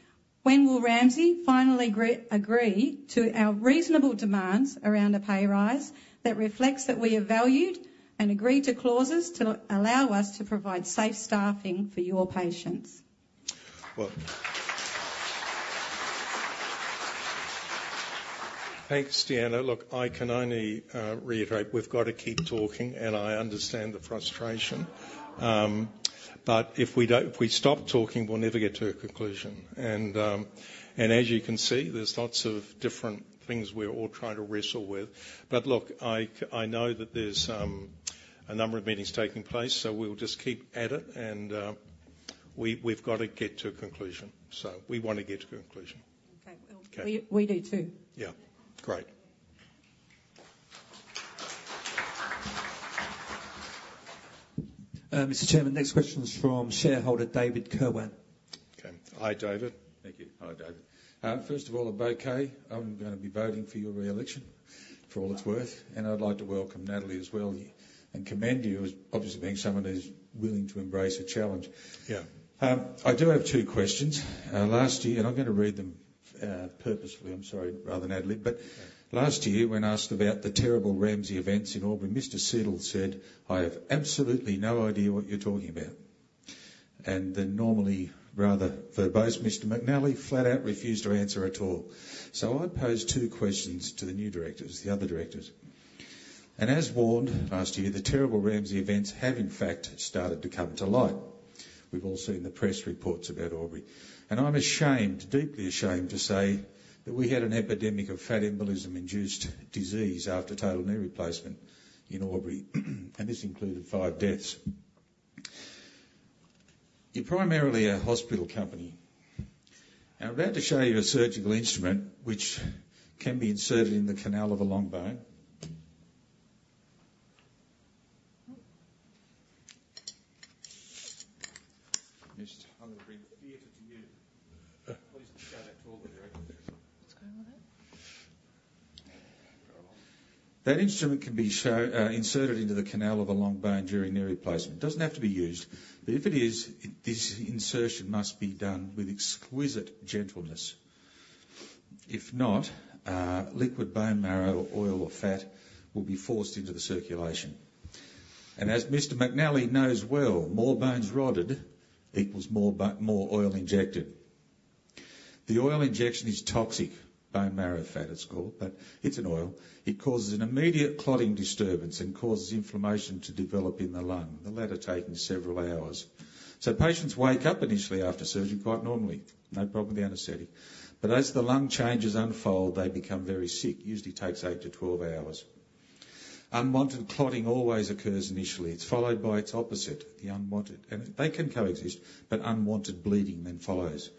when will Ramsay finally agree to our reasonable demands around a pay rise that reflects that we are valued and agree to clauses to allow us to provide safe staffing for your patients? Thanks, Deanna. Look, I can only reiterate we've got to keep talking. I understand the frustration. If we stop talking, we'll never get to a conclusion. As you can see, there's lots of different things we're all trying to wrestle with. Look, I know that there's a number of meetings taking place. We'll just keep at it. We've got to get to a conclusion. We want to get to a conclusion. Okay. We do too. Yeah. Great. Mr. Chairman, next question is from shareholder David Kirwan. Okay. Hi, David. Thank you. Hi, David. First of all, I'm okay. I'm going to be voting for your re-election for all it's worth, and I'd like to welcome Natalie as well and commend you as obviously being someone who's willing to embrace a challenge. I do have two questions, and I'm going to read them purposefully. I'm sorry, rather, Natalie, but last year, when asked about the terrible Ramsay events in Auburn, Mr. Siddle said, "I have absolutely no idea what you're talking about," and the normally rather verbose Mr. McNally flat out refused to answer at all, so I posed two questions to the new directors, the other directors, and as warned last year, the terrible Ramsay events have, in fact, started to come to light. We've all seen the press reports about Auburn. I'm ashamed, deeply ashamed to say that we had an epidemic of fat embolism-induced disease after total knee replacement in Auburn. This included five deaths. You're primarily a hospital company. I'm about to show you a surgical instrument which can be inserted in the canal of a long bone. I'm going to bring theater to you. Please don't go that tall. What's going on there? That instrument can be inserted into the canal of a long bone during knee replacement. It doesn't have to be used. But if it is, this insertion must be done with exquisite gentleness. If not, liquid bone marrow, oil, or fat will be forced into the circulation. And as Mr. McNally knows well, more bones rodded equals more oil injected. The oil injection is toxic, bone marrow fat embolism, but it's an oil. It causes an immediate clotting disturbance and causes inflammation to develop in the lung, the latter taking several hours. So patients wake up initially after surgery quite normally. No problem with the anesthetic. But as the lung changes unfold, they become very sick. Usually, it takes 8 to 12 hours. Unwanted clotting always occurs initially. It's followed by its opposite, the unwanted. And they can coexist, but unwanted bleeding then follows.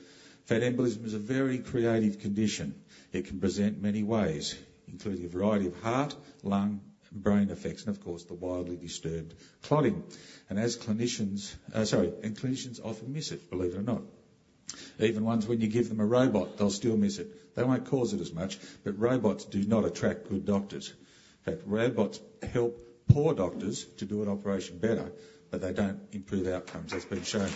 Fat embolism is a very creative condition. It can present many ways, including a variety of heart, lung, and brain effects, and of course, the wildly disturbed clotting, and as clinicians, sorry, and clinicians often miss it, believe it or not. Even once when you give them a robot, they'll still miss it. They won't cause it as much. But robots do not attract good doctors. In fact, robots help poor doctors to do an operation better, but they don't improve outcomes. That's been shown.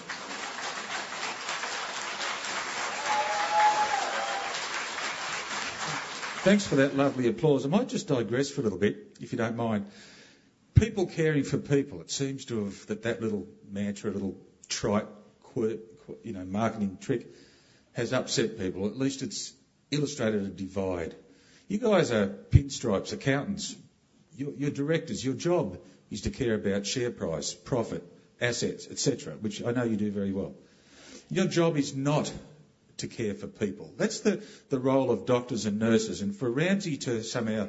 Thanks for that lovely applause. I might just digress for a little bit, if you don't mind. People caring for people, it seems to have that little mantra, a little trite, marketing trick has upset people. At least it's illustrated a divide. You guys are pinstripe accountants. Your directors, your job is to care about share price, profit, assets, etc., which I know you do very well. Your job is not to care for people. That's the role of doctors and nurses, and for Ramsay to somehow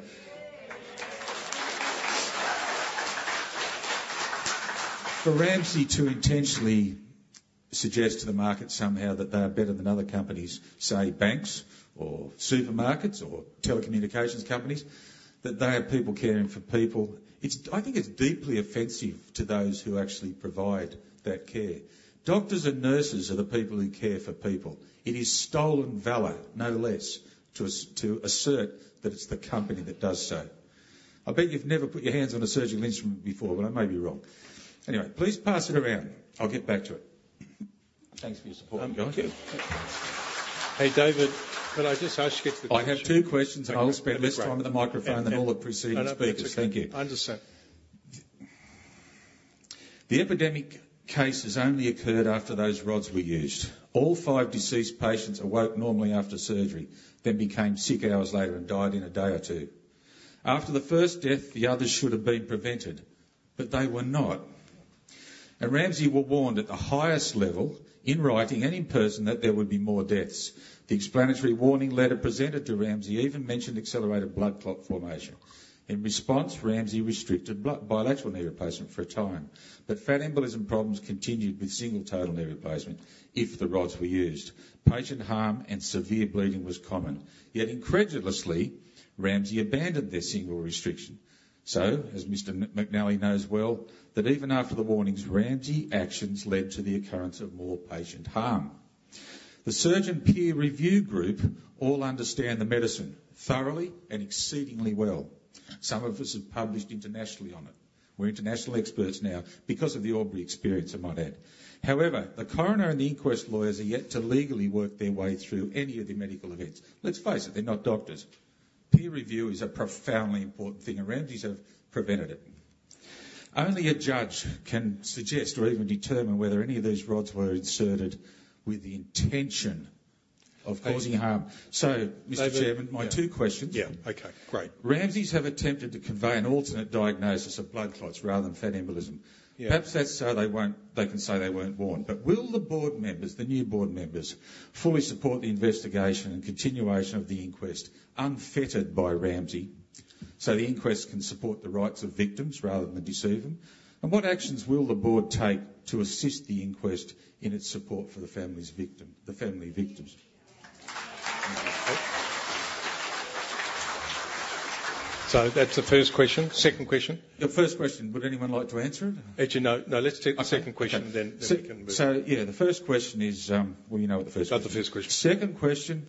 intentionally suggest to the market somehow that they are better than other companies, say, banks or supermarkets or telecommunications companies, that they are people caring for people. I think it's deeply offensive to those who actually provide that care. Doctors and nurses are the people who care for people. It is stolen valor, no less, to assert that it's the company that does so. I bet you've never put your hands on a surgical instrument before, but I may be wrong. Anyway, please pass it around. I'll get back to it. Thanks for your support. Thank you. Hey, David, could I just ask you to get to the question? I have two questions. I'm going to spend less time on the microphone than all the preceding speakers. Thank you. Understood. Understood. The epidemic case has only occurred after those rods were used. All five deceased patients awoke normally after surgery, then became sick hours later and died in a day or two. After the first death, the others should have been prevented, but they were not. And Ramsay were warned at the highest level in writing and in person that there would be more deaths. The explanatory warning letter presented to Ramsay even mentioned accelerated blood clot formation. In response, Ramsay restricted bilateral knee replacement for a time. But fat embolism problems continued with single total knee replacement if the rods were used. Patient harm and severe bleeding was common. Yet incredulously, Ramsay abandoned their single restriction. So, as Mr. McNally knows well, that even after the warnings, Ramsay actions led to the occurrence of more patient harm. The surgeon peer review group all understand the medicine thoroughly and exceedingly well. Some of us have published internationally on it. We're international experts now because of the Auburn experience, I might add. However, the coroner and the inquest lawyers are yet to legally work their way through any of the medical events. Let's face it, they're not doctors. Peer review is a profoundly important thing, and Ramsay's have prevented it. Only a judge can suggest or even determine whether any of these rods were inserted with the intention of causing harm, so Mr. Chairman, my two questions. Yeah. Okay. Great. Ramsay's have attempted to convey an alternate diagnosis of blood clots rather than fat embolism. Perhaps that's so they can say they weren't warned. But will the board members, the new board members, fully support the investigation and continuation of the inquest unfettered by Ramsay so the inquest can support the rights of victims rather than deceive them? And what actions will the board take to assist the inquest in its support for the family victims? So that's the first question. Second question? The first question. Would anyone like to answer it? Actually, no. No. Let's take the second question, then we can. So yeah, the first question is, well, you know what the first question is. That's the first question. Second question.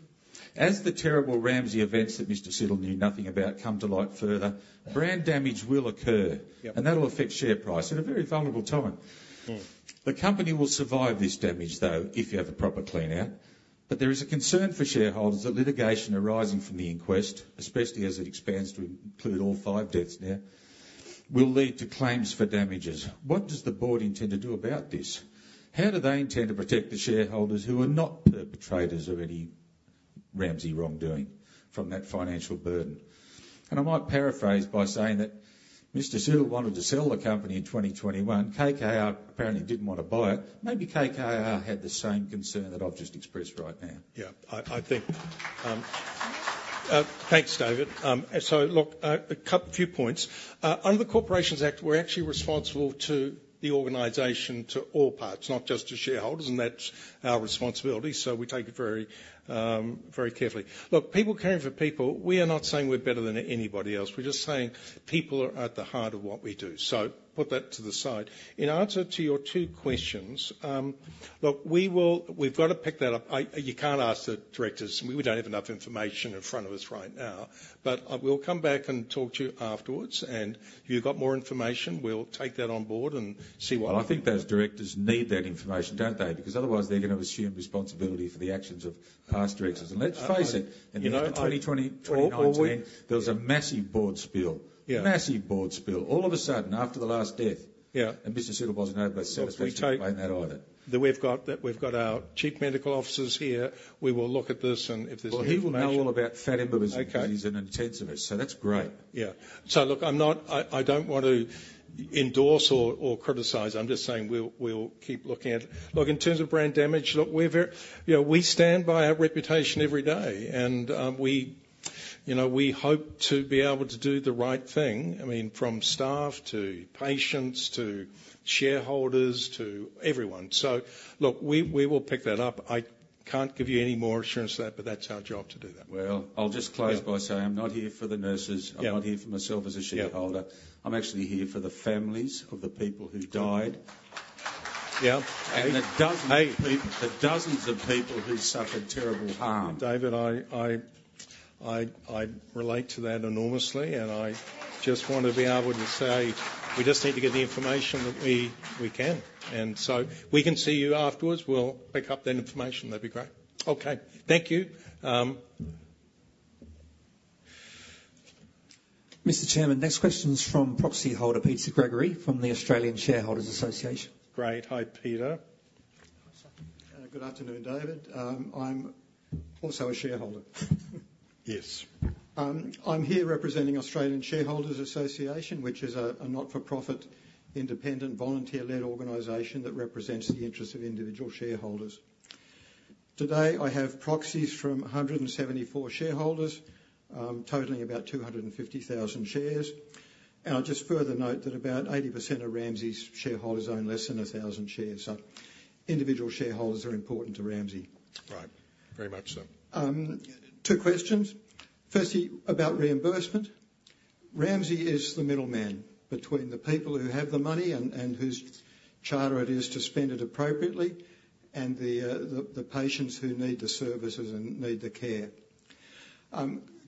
As the terrible Ramsay events that Mr. Siddle knew nothing about come to light further, brand damage will occur, and that'll affect share price at a very vulnerable time. The company will survive this damage, though, if you have a proper clean-out, but there is a concern for shareholders that litigation arising from the inquest, especially as it expands to include all five deaths now, will lead to claims for damages. What does the board intend to do about this? How do they intend to protect the shareholders who are not perpetrators of any Ramsay wrongdoing from that financial burden, and I might paraphrase by saying that Mr. Siddle wanted to sell the company in 2021. KKR apparently didn't want to buy it. Maybe KKR had the same concern that I've just expressed right now. Yeah. I think, thanks, David. So look, a few points. Under the Corporations Act, we're actually responsible to the organization to all parts, not just to shareholders. And that's our responsibility. So we take it very carefully. Look, people caring for people, we are not saying we're better than anybody else. We're just saying people are at the heart of what we do. So put that to the side. In answer to your two questions, look, we've got to pick that up. You can't ask the directors. We don't have enough information in front of us right now. But we'll come back and talk to you afterwards. And if you've got more information, we'll take that on board and see what happens. I think those directors need that information, don't they? Because otherwise, they're going to assume responsibility for the actions of past directors. Let's face it. You know what? In 2019, there was a massive board spill. Massive board spill. All of a sudden, after the last death, and Mr. Siddle wasn't able to satisfy that either. We've got our Chief Medical Officers here. We will look at this, and if there's any. He will know all about fat embolism because he's an intensivist. That's great. Yeah. So look, I don't want to endorse or criticize. I'm just saying we'll keep looking at it. Look, in terms of brand damage, look, we stand by our reputation every day, and we hope to be able to do the right thing. I mean, from staff to patients to shareholders to everyone, so look, we will pick that up. I can't give you any more assurance of that, but that's our job to do that. I'll just close by saying I'm not here for the nurses. I'm not here for myself as a shareholder. I'm actually here for the families of the people who died. Yeah. And the dozens of people who suffered terrible harm. David, I relate to that enormously. And I just want to be able to say we just need to get the information that we can. And so we can see you afterwards. We'll pick up that information. That'd be great. Okay. Thank you. Mr. Chairman, next question is from proxy holder Peter Gregory from the Australian Shareholders' Association. Great. Hi, Peter. Good afternoon, David. I'm also a shareholder. Yes. I'm here representing Australian Shareholders' Association, which is a not-for-profit, independent, volunteer-led organization that represents the interests of individual shareholders. Today, I have proxies from 174 shareholders, totaling about 250,000 shares. And I'll just further note that about 80% of Ramsay's shareholders own less than 1,000 shares. So individual shareholders are important to Ramsay. Right. Very much so. Two questions. Firstly, about reimbursement. Ramsay is the middleman between the people who have the money and whose charter it is to spend it appropriately and the patients who need the services and need the care.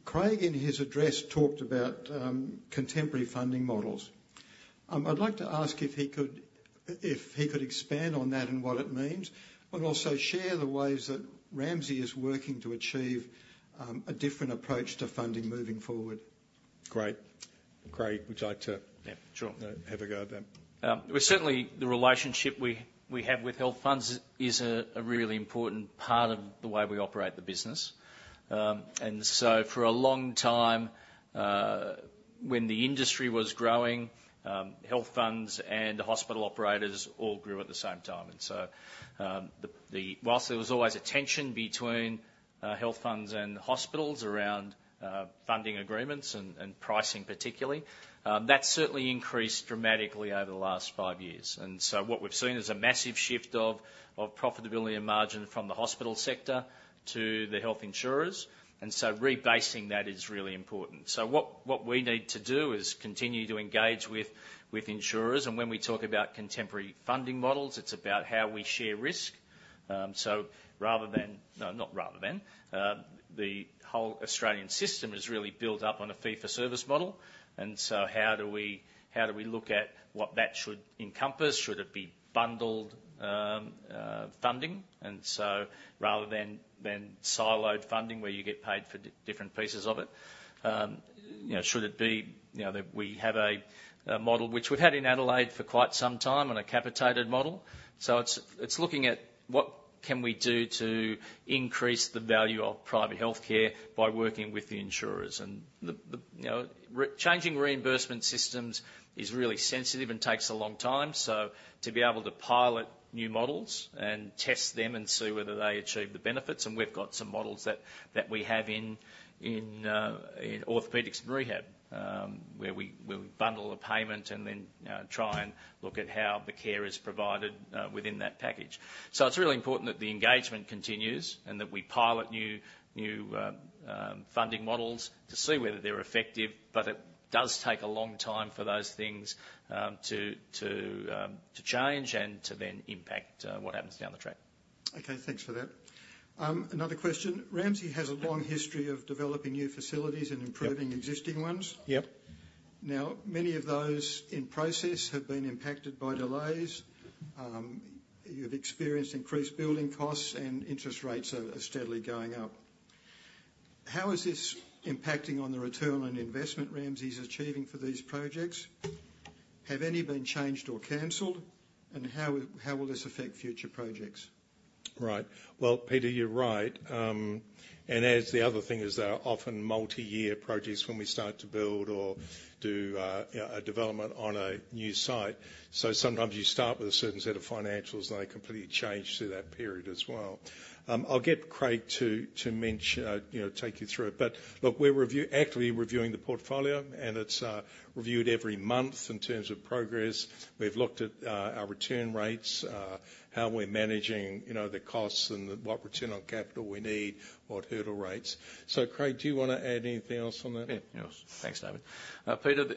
Craig, in his address, talked about contemporary funding models. I'd like to ask if he could expand on that and what it means, but also share the ways that Ramsay is working to achieve a different approach to funding moving forward. Great. Craig, would you like to have a go at that? Certainly, the relationship we have with health funds is a really important part of the way we operate the business. And so for a long time, when the industry was growing, health funds and hospital operators all grew at the same time. And so while there was always a tension between health funds and hospitals around funding agreements and pricing, particularly, that's certainly increased dramatically over the last five years. And so what we've seen is a massive shift of profitability and margin from the hospital sector to the health insurers. And so rebasing that is really important. So what we need to do is continue to engage with insurers. And when we talk about contemporary funding models, it's about how we share risk. So rather than—no, not rather than—the whole Australian system is really built up on a fee-for-service model. And so, how do we look at what that should encompass? Should it be bundled funding? And so, rather than siloed funding where you get paid for different pieces of it, should it be that we have a model which we've had in Adelaide for quite some time on a capitated model? So, it's looking at what can we do to increase the value of private healthcare by working with the insurers. And changing reimbursement systems is really sensitive and takes a long time. So, to be able to pilot new models and test them and see whether they achieve the benefits. And we've got some models that we have in orthopedics and rehab where we bundle the payment and then try and look at how the care is provided within that package. So it's really important that the engagement continues and that we pilot new funding models to see whether they're effective. But it does take a long time for those things to change and to then impact what happens down the track. Okay. Thanks for that. Another question. Ramsay has a long history of developing new facilities and improving existing ones. Now, many of those in process have been impacted by delays. You've experienced increased building costs, and interest rates are steadily going up. How is this impacting on the return on investment Ramsay's achieving for these projects? Have any been changed or cancelled? And how will this affect future projects? Right. Well, Peter, you're right. And as the other thing is, there are often multi-year projects when we start to build or do a development on a new site. So sometimes you start with a certain set of financials, and they completely change through that period as well. I'll get Craig to take you through it. But look, we're actively reviewing the portfolio, and it's reviewed every month in terms of progress. We've looked at our return rates, how we're managing the costs, and what return on capital we need, what hurdle rates. So Craig, do you want to add anything else on that? Yeah. Thanks, David. Peter,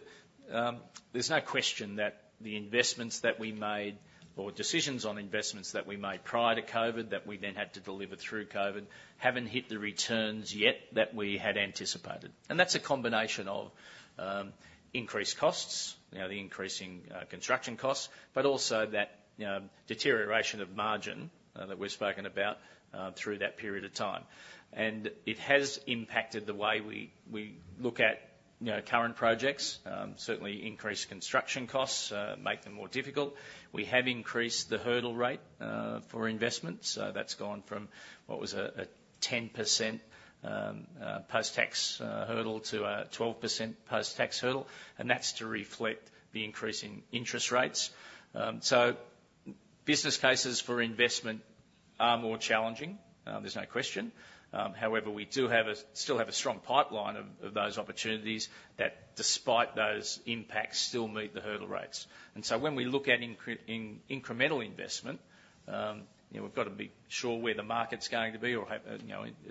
there's no question that the investments that we made or decisions on investments that we made prior to COVID that we then had to deliver through COVID haven't hit the returns yet that we had anticipated. That's a combination of increased costs, the increasing construction costs, but also that deterioration of margin that we've spoken about through that period of time. It has impacted the way we look at current projects. Certainly, increased construction costs make them more difficult. We have increased the hurdle rate for investments. That's gone from what was a 10% post-tax hurdle to a 12% post-tax hurdle. That's to reflect the increase in interest rates. Business cases for investment are more challenging. There's no question. However, we still have a strong pipeline of those opportunities that, despite those impacts, still meet the hurdle rates. And so when we look at incremental investment, we've got to be sure where the market's going to be or,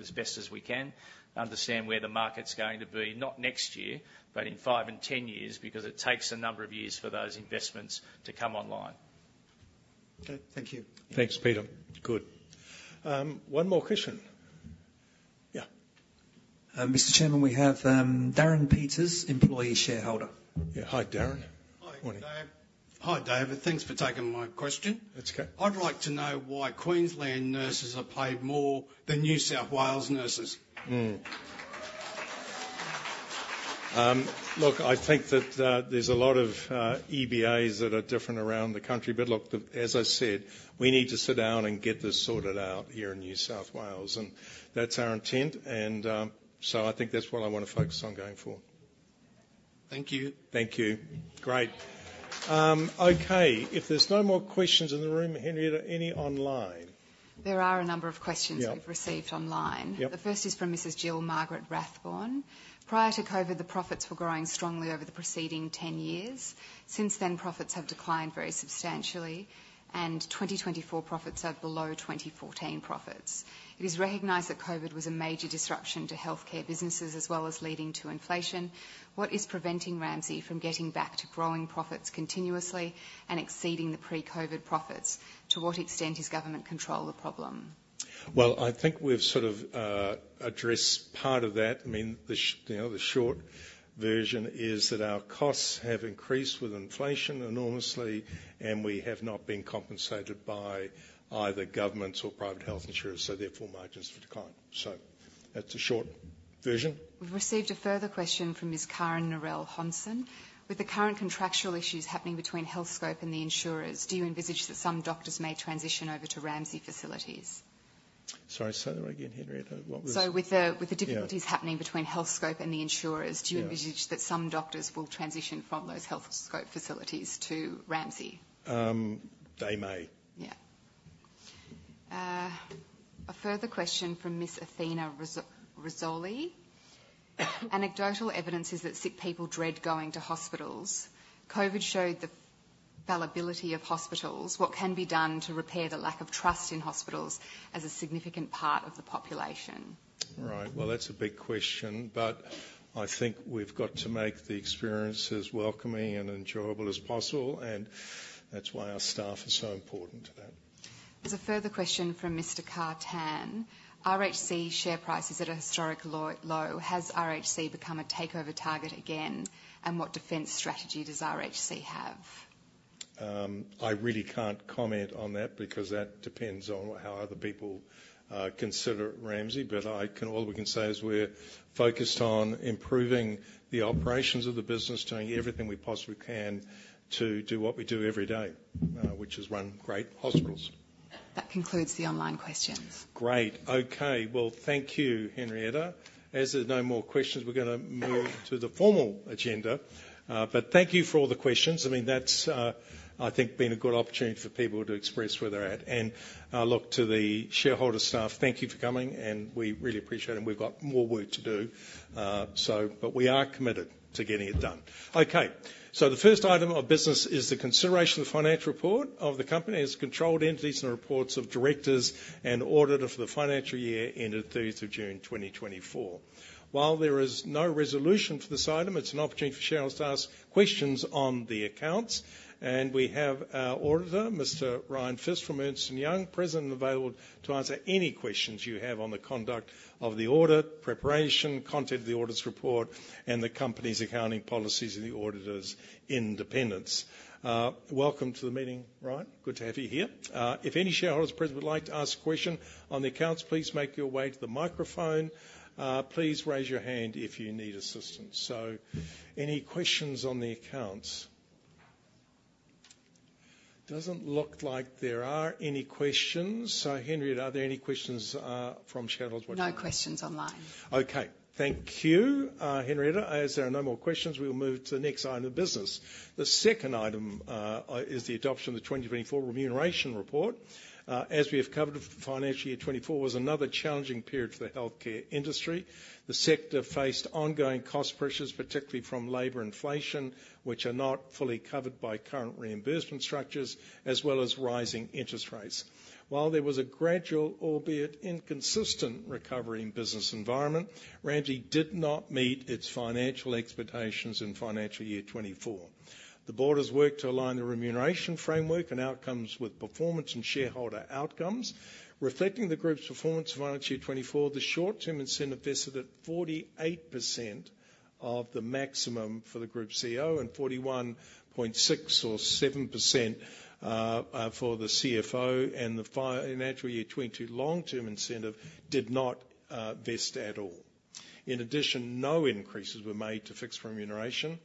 as best as we can, understand where the market's going to be, not next year, but in five and ten years because it takes a number of years for those investments to come online. Okay. Thank you. Thanks, Peter. Good. One more question. Yeah. Mr. Chairman, we have Darren Peters, employee shareholder. Yeah. Hi, Darren. Hi, David. Thanks for taking my question. I'd like to know why Queensland nurses are paid more than New South Wales nurses? Look, I think that there's a lot of EBAs that are different around the country. But look, as I said, we need to sit down and get this sorted out here in New South Wales. And that's our intent. And so I think that's what I want to focus on going forward. Thank you. Thank you. Great. Okay. If there's no more questions in the room, Henrietta, are there any online? There are a number of questions we've received online. The first is from Mrs. Jill Margaret Rathborne. Prior to COVID, the profits were growing strongly over the preceding ten years. Since then, profits have declined very substantially, and 2024 profits are below 2014 profits. It is recognized that COVID was a major disruption to healthcare businesses as well as leading to inflation. What is preventing Ramsay from getting back to growing profits continuously and exceeding the pre-COVID profits? To what extent is government control the problem? I think we've sort of addressed part of that. I mean, the short version is that our costs have increased with inflation enormously, and we have not been compensated by either government or private health insurers. Therefore, margins have declined. That's a short version. We've received a further question from Ms. Karen Norell Hodgson. With the current contractual issues happening between Healthscope and the insurers, do you envisage that some doctors may transition over to Ramsay facilities? Sorry. Say that again, Henry. So with the difficulties happening between Healthscope and the insurers, do you envisage that some doctors will transition from those Healthscope facilities to Ramsay? They may. Yeah. A further question from Ms. Athena Rizzoli. Anecdotal evidence is that sick people dread going to hospitals. COVID showed the fallibility of hospitals. What can be done to repair the lack of trust in hospitals as a significant part of the population? Right. Well, that's a big question. But I think we've got to make the experience as welcoming and enjoyable as possible. And that's why our staff are so important to that. There's a further question from Mr. Kerwan. RHC share prices at a historic low. Has RHC become a takeover target again? And what defense strategy does RHC have? I really can't comment on that because that depends on how other people consider Ramsay. But all we can say is we're focused on improving the operations of the business, doing everything we possibly can to do what we do every day, which is run great hospitals. That concludes the online questions. Great. Okay. Well, thank you, Henrietta. As there are no more questions, we're going to move to the formal agenda. But thank you for all the questions. I mean, that's, I think, been a good opportunity for people to express where they're at. And look, to the shareholder staff, thank you for coming. And we really appreciate it. And we've got more work to do. But we are committed to getting it done. Okay. So the first item of business is the consideration of the financial report of the company as controlled entities and reports of directors and auditor for the financial year ended 30th of June, 2024. While there is no resolution for this item, it's an opportunity for shareholders to ask questions on the accounts. And we have our auditor, Mr. Ryan Fisk from Ernst & Young, present and available to answer any questions you have on the conduct of the audit, preparation, content of the auditor's report, and the company's accounting policies and the auditor's independence. Welcome to the meeting, Ryan. Good to have you here. If any shareholders present would like to ask a question on the accounts, please make your way to the microphone. Please raise your hand if you need assistance. So any questions on the accounts? Doesn't look like there are any questions. So Henrietta, are there any questions from shareholders? No questions online. Okay. Thank you, Henrietta. As there are no more questions, we will move to the next item of business. The second item is the adoption of the 2024 remuneration report. As we have covered, financial year 2024 was another challenging period for the healthcare industry. The sector faced ongoing cost pressures, particularly from labor inflation, which are not fully covered by current reimbursement structures, as well as rising interest rates. While there was a gradual, albeit inconsistent, recovery in business environment, Ramsay did not meet its financial expectations in financial year 2024. The board has worked to align the remuneration framework and outcomes with performance and shareholder outcomes. Reflecting the group's performance for financial year 2024, the short-term incentive vested at 48% of the maximum for the group CEO and 41.6 or 7% for the CFO. And the financial year 2022 long-term incentive did not vest at all. In addition, no increases were made to fixed remuneration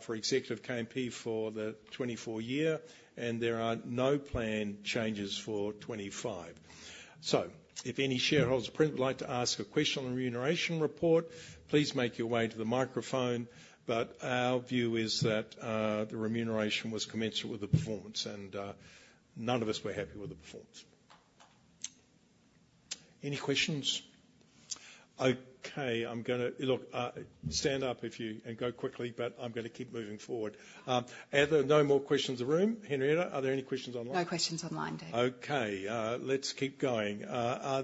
for executive KMP for the 2024 year. And there are no planned changes for 2025. So if any shareholders present would like to ask a question on the remuneration report, please make your way to the microphone. But our view is that the remuneration was commensurate with the performance. And none of us were happy with the performance. Any questions? Okay. Look, stand up and go quickly. But I'm going to keep moving forward. Are there no more questions in the room? Henrietta, are there any questions online? No questions online, David. Okay. Let's keep going. So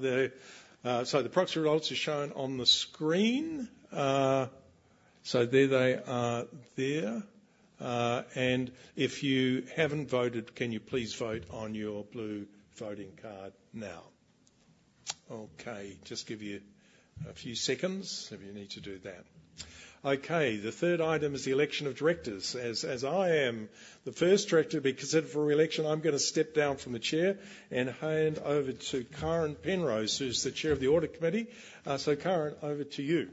the proxy results are shown on the screen. So there they are there. And if you haven't voted, can you please vote on your blue voting card now? Okay. Just give you a few seconds if you need to do that. Okay. The third item is the election of directors. As I am the first director to be considered for reelection, I'm going to step down from the chair and hand over to Karen Penrose, who's the chair of the audit committee. So Karen, over to you.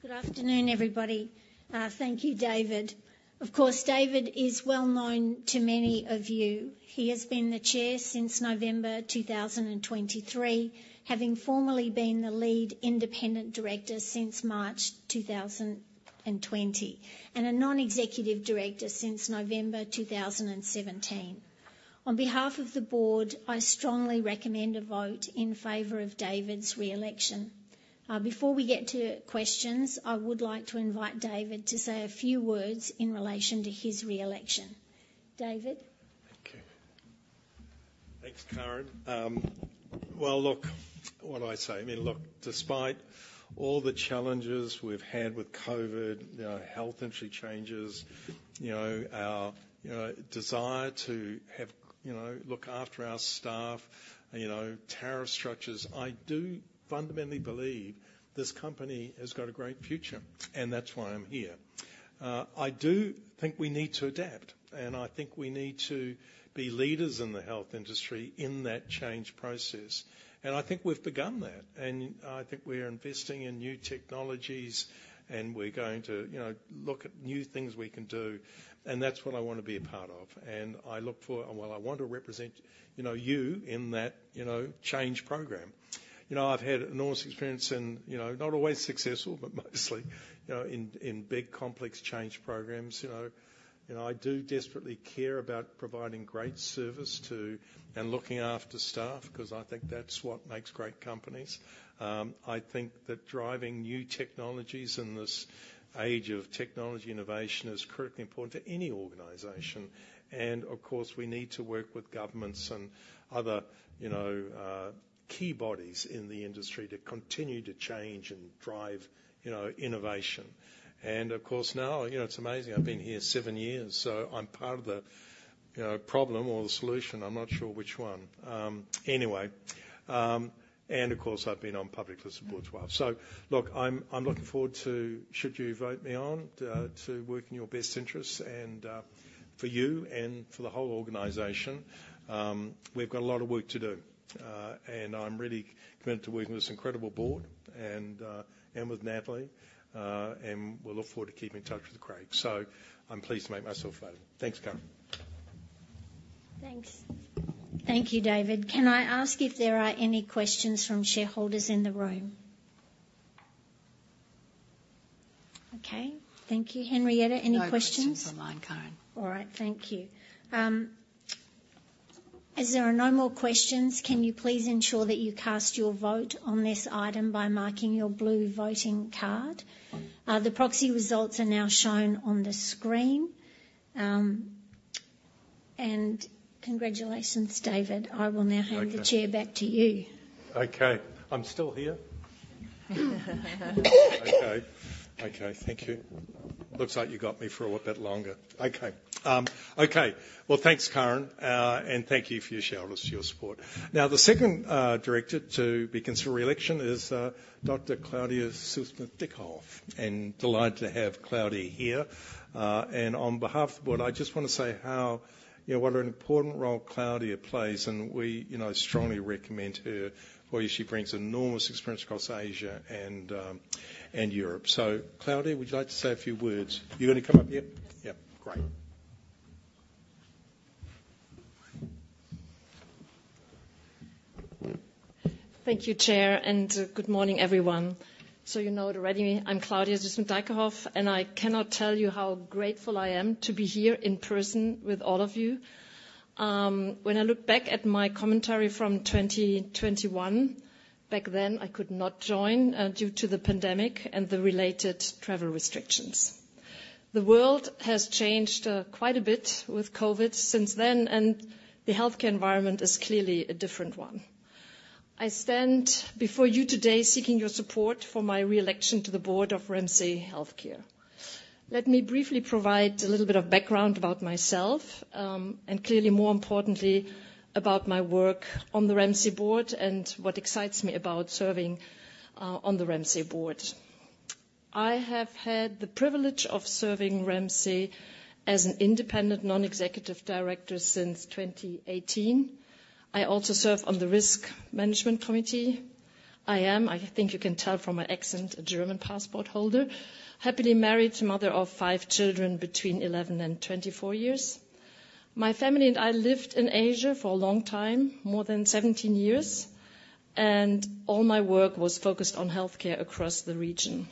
Good afternoon, everybody. Thank you, David. Of course, David is well known to many of you. He has been the Chair since November 2023, having formerly been the Lead Independent Director since March 2020, and a Non-Executive Director since November 2017. On behalf of the Board, I strongly recommend a vote in favor of David's reelection. Before we get to questions, I would like to invite David to say a few words in relation to his reelection. David? Okay. Thanks, Karen. Well, look, what I say, I mean, look, despite all the challenges we've had with COVID, health entry changes, our desire to look after our staff, tariff structures, I do fundamentally believe this company has got a great future, and that's why I'm here. I do think we need to adapt, and I think we need to be leaders in the health industry in that change process. I think we've begun that, and I think we're investing in new technologies, and we're going to look at new things we can do. That's what I want to be a part of, and I look for, well, I want to represent you in that change program. I've had enormous experience in not always successful, but mostly in big, complex change programs. I do desperately care about providing great service to and looking after staff because I think that's what makes great companies. I think that driving new technologies in this age of technology innovation is critically important to any organization. And of course, we need to work with governments and other key bodies in the industry to continue to change and drive innovation. And of course, now it's amazing. I've been here seven years. So I'm part of the problem or the solution. I'm not sure which one. Anyway. And of course, I've been on public listed boards as well. So look, I'm looking forward to, should you vote me on, to work in your best interests for you and for the whole organization. We've got a lot of work to do. And I'm really committed to working with this incredible board and with Natalie. And we'll look forward to keeping in touch with Craig. So I'm pleased to make myself available. Thanks, Karen. Thanks. Thank you, David. Can I ask if there are any questions from shareholders in the room? Okay. Thank you. Henrietta, any questions? No questions online, Karen. All right. Thank you. Is there no more questions? Can you please ensure that you cast your vote on this item by marking your blue voting card? The proxy results are now shown on the screen. Congratulations, David. I will now hand the chair back to you. Okay. I'm still here. Okay. Okay. Thank you. Looks like you got me for a bit longer. Okay. Okay. Well, thanks, Karen. And thank you, shareholders, for your support. Now, the second director to be considered for reelection is Dr. Claudia Süssmuth-Dyckerhoff. And delighted to have Claudia here. And on behalf of the board, I just want to say what an important role Claudia plays. And we strongly recommend her for you. She brings enormous experience across Asia and Europe. So Claudia, would you like to say a few words? You're going to come up here? Yeah. Great. Thank you, Chair. And good morning, everyone. So you know it already. I'm Claudia Süssmuth-Dyckerhoff. And I cannot tell you how grateful I am to be here in person with all of you. When I look back at my commentary from 2021, back then, I could not join due to the pandemic and the related travel restrictions. The world has changed quite a bit with COVID since then, and the healthcare environment is clearly a different one. I stand before you today seeking your support for my reelection to the board of Ramsay Health Care. Let me briefly provide a little bit of background about myself and, clearly, more importantly, about my work on the Ramsay board and what excites me about serving on the Ramsay board. I have had the privilege of serving Ramsay as an independent non-executive director since 2018. I also serve on the risk management committee. I am. I think you can tell from my accent, a German passport holder, happily married, mother of five children between 11 and 24 years. My family and I lived in Asia for a long time, more than 17 years. And all my work was focused on healthcare across the region.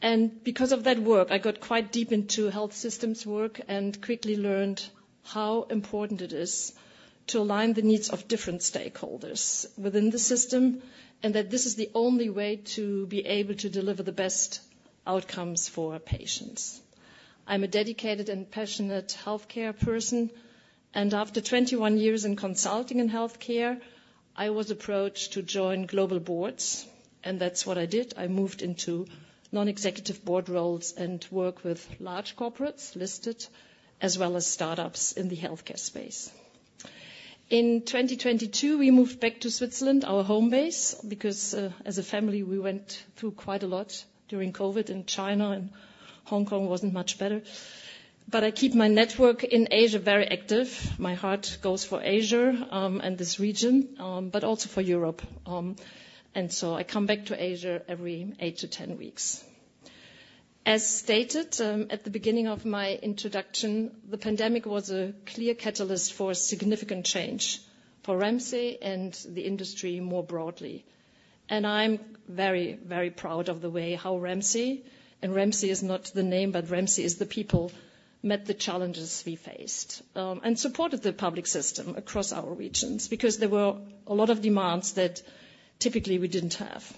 And because of that work, I got quite deep into health systems work and quickly learned how important it is to align the needs of different stakeholders within the system and that this is the only way to be able to deliver the best outcomes for patients. I'm a dedicated and passionate healthcare person. And after 21 years in consulting in healthcare, I was approached to join global boards. And that's what I did. I moved into non-executive board roles and work with large corporates listed as well as startups in the healthcare space. In 2022, we moved back to Switzerland, our home base, because as a family, we went through quite a lot during COVID in China, and Hong Kong wasn't much better, but I keep my network in Asia very active. My heart goes for Asia and this region, but also for Europe, and so I come back to Asia every eight to 10 weeks. As stated at the beginning of my introduction, the pandemic was a clear catalyst for significant change for Ramsay and the industry more broadly, and I'm very, very proud of the way how Ramsay (and Ramsay is not the name, but Ramsay is the people) met the challenges we faced and supported the public system across our regions because there were a lot of demands that typically we didn't have.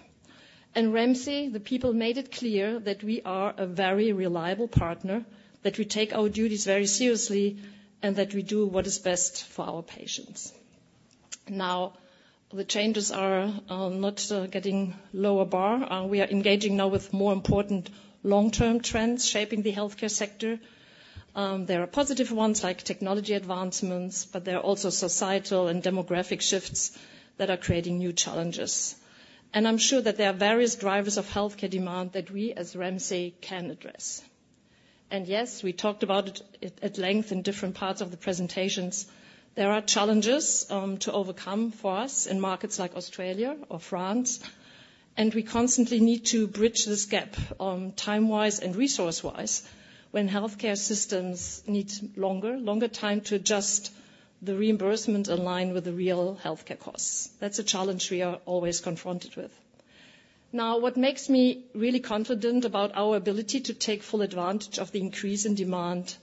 Ramsay, the people made it clear that we are a very reliable partner, that we take our duties very seriously, and that we do what is best for our patients. Now, the changes are not getting lower bar. We are engaging now with more important long-term trends shaping the healthcare sector. There are positive ones like technology advancements, but there are also societal and demographic shifts that are creating new challenges. I'm sure that there are various drivers of healthcare demand that we as Ramsay can address. Yes, we talked about it at length in different parts of the presentations. There are challenges to overcome for us in markets like Australia or France. We constantly need to bridge this gap time-wise and resource-wise when healthcare systems need longer time to adjust the reimbursement aligned with the real healthcare costs. That's a challenge we are always confronted with. Now, what makes me really confident about our ability to take full advantage of the increase in demand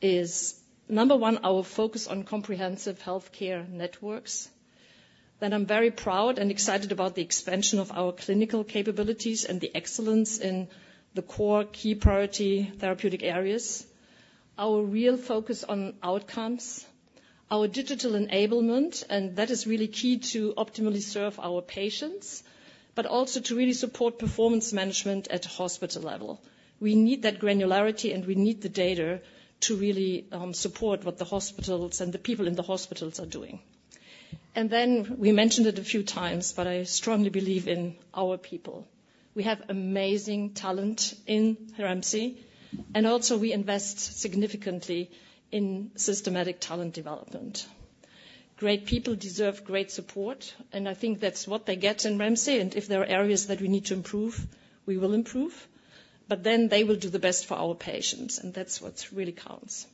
is, number one, our focus on comprehensive healthcare networks. Then I'm very proud and excited about the expansion of our clinical capabilities and the excellence in the core key priority therapeutic areas, our real focus on outcomes, our digital enablement, and that is really key to optimally serve our patients, but also to really support performance management at hospital level. We need that granularity, and we need the data to really support what the hospitals and the people in the hospitals are doing. And then we mentioned it a few times, but I strongly believe in our people. We have amazing talent in Ramsay. And also, we invest significantly in systematic talent development. Great people deserve great support. And I think that's what they get in Ramsay. And if there are areas that we need to improve, we will improve. But then they will do the best for our patients. And that's what really counts.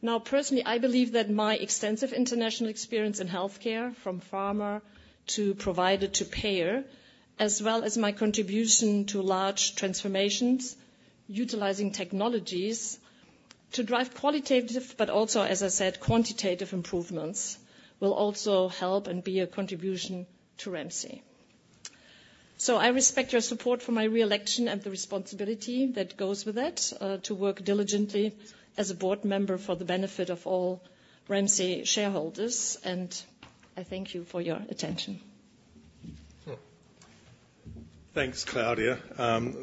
Now, personally, I believe that my extensive international experience in healthcare from pharma to provider to payer, as well as my contribution to large transformations, utilizing technologies to drive qualitative, but also, as I said, quantitative improvements will also help and be a contribution to Ramsay. So I respect your support for my reelection and the responsibility that goes with that to work diligently as a board member for the benefit of all Ramsay shareholders. And I thank you for your attention. Thanks, Claudia.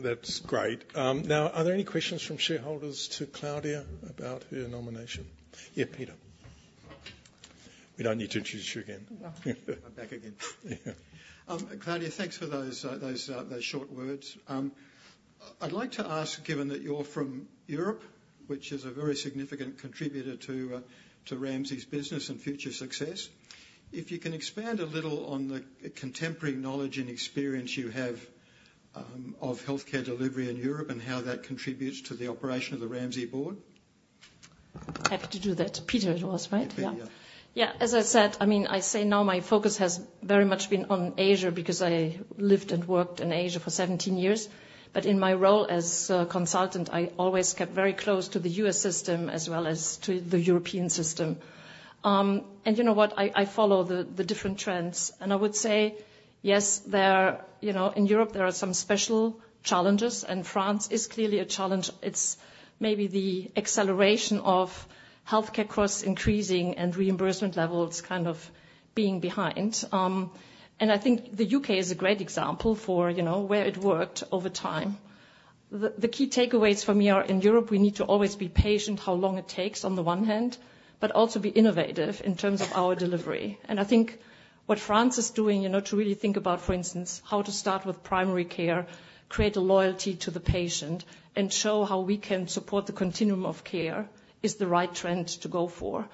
That's great. Now, are there any questions from shareholders to Claudia about her nomination? Yeah, Peter. We don't need to introduce you again. I'm back again. Claudia, thanks for those short words. I'd like to ask, given that you're from Europe, which is a very significant contributor to Ramsay's business and future success, if you can expand a little on the contemporary knowledge and experience you have of healthcare delivery in Europe and how that contributes to the operation of the Ramsay board? Happy to do that. Peter it was, right? Yeah. Yeah. As I said, I mean, I say now my focus has very much been on Asia because I lived and worked in Asia for 17 years. But in my role as consultant, I always kept very close to the U.S. system as well as to the European system. And you know what? I follow the different trends. And I would say, yes, in Europe, there are some special challenges. And France is clearly a challenge. It's maybe the acceleration of healthcare costs increasing and reimbursement levels kind of being behind. And I think the U.K. is a great example for where it worked over time. The key takeaways for me are in Europe, we need to always be patient how long it takes on the one hand, but also be innovative in terms of our delivery. I think what France is doing to really think about, for instance, how to start with primary care, create a loyalty to the patient, and show how we can support the continuum of care is the right trend to go for.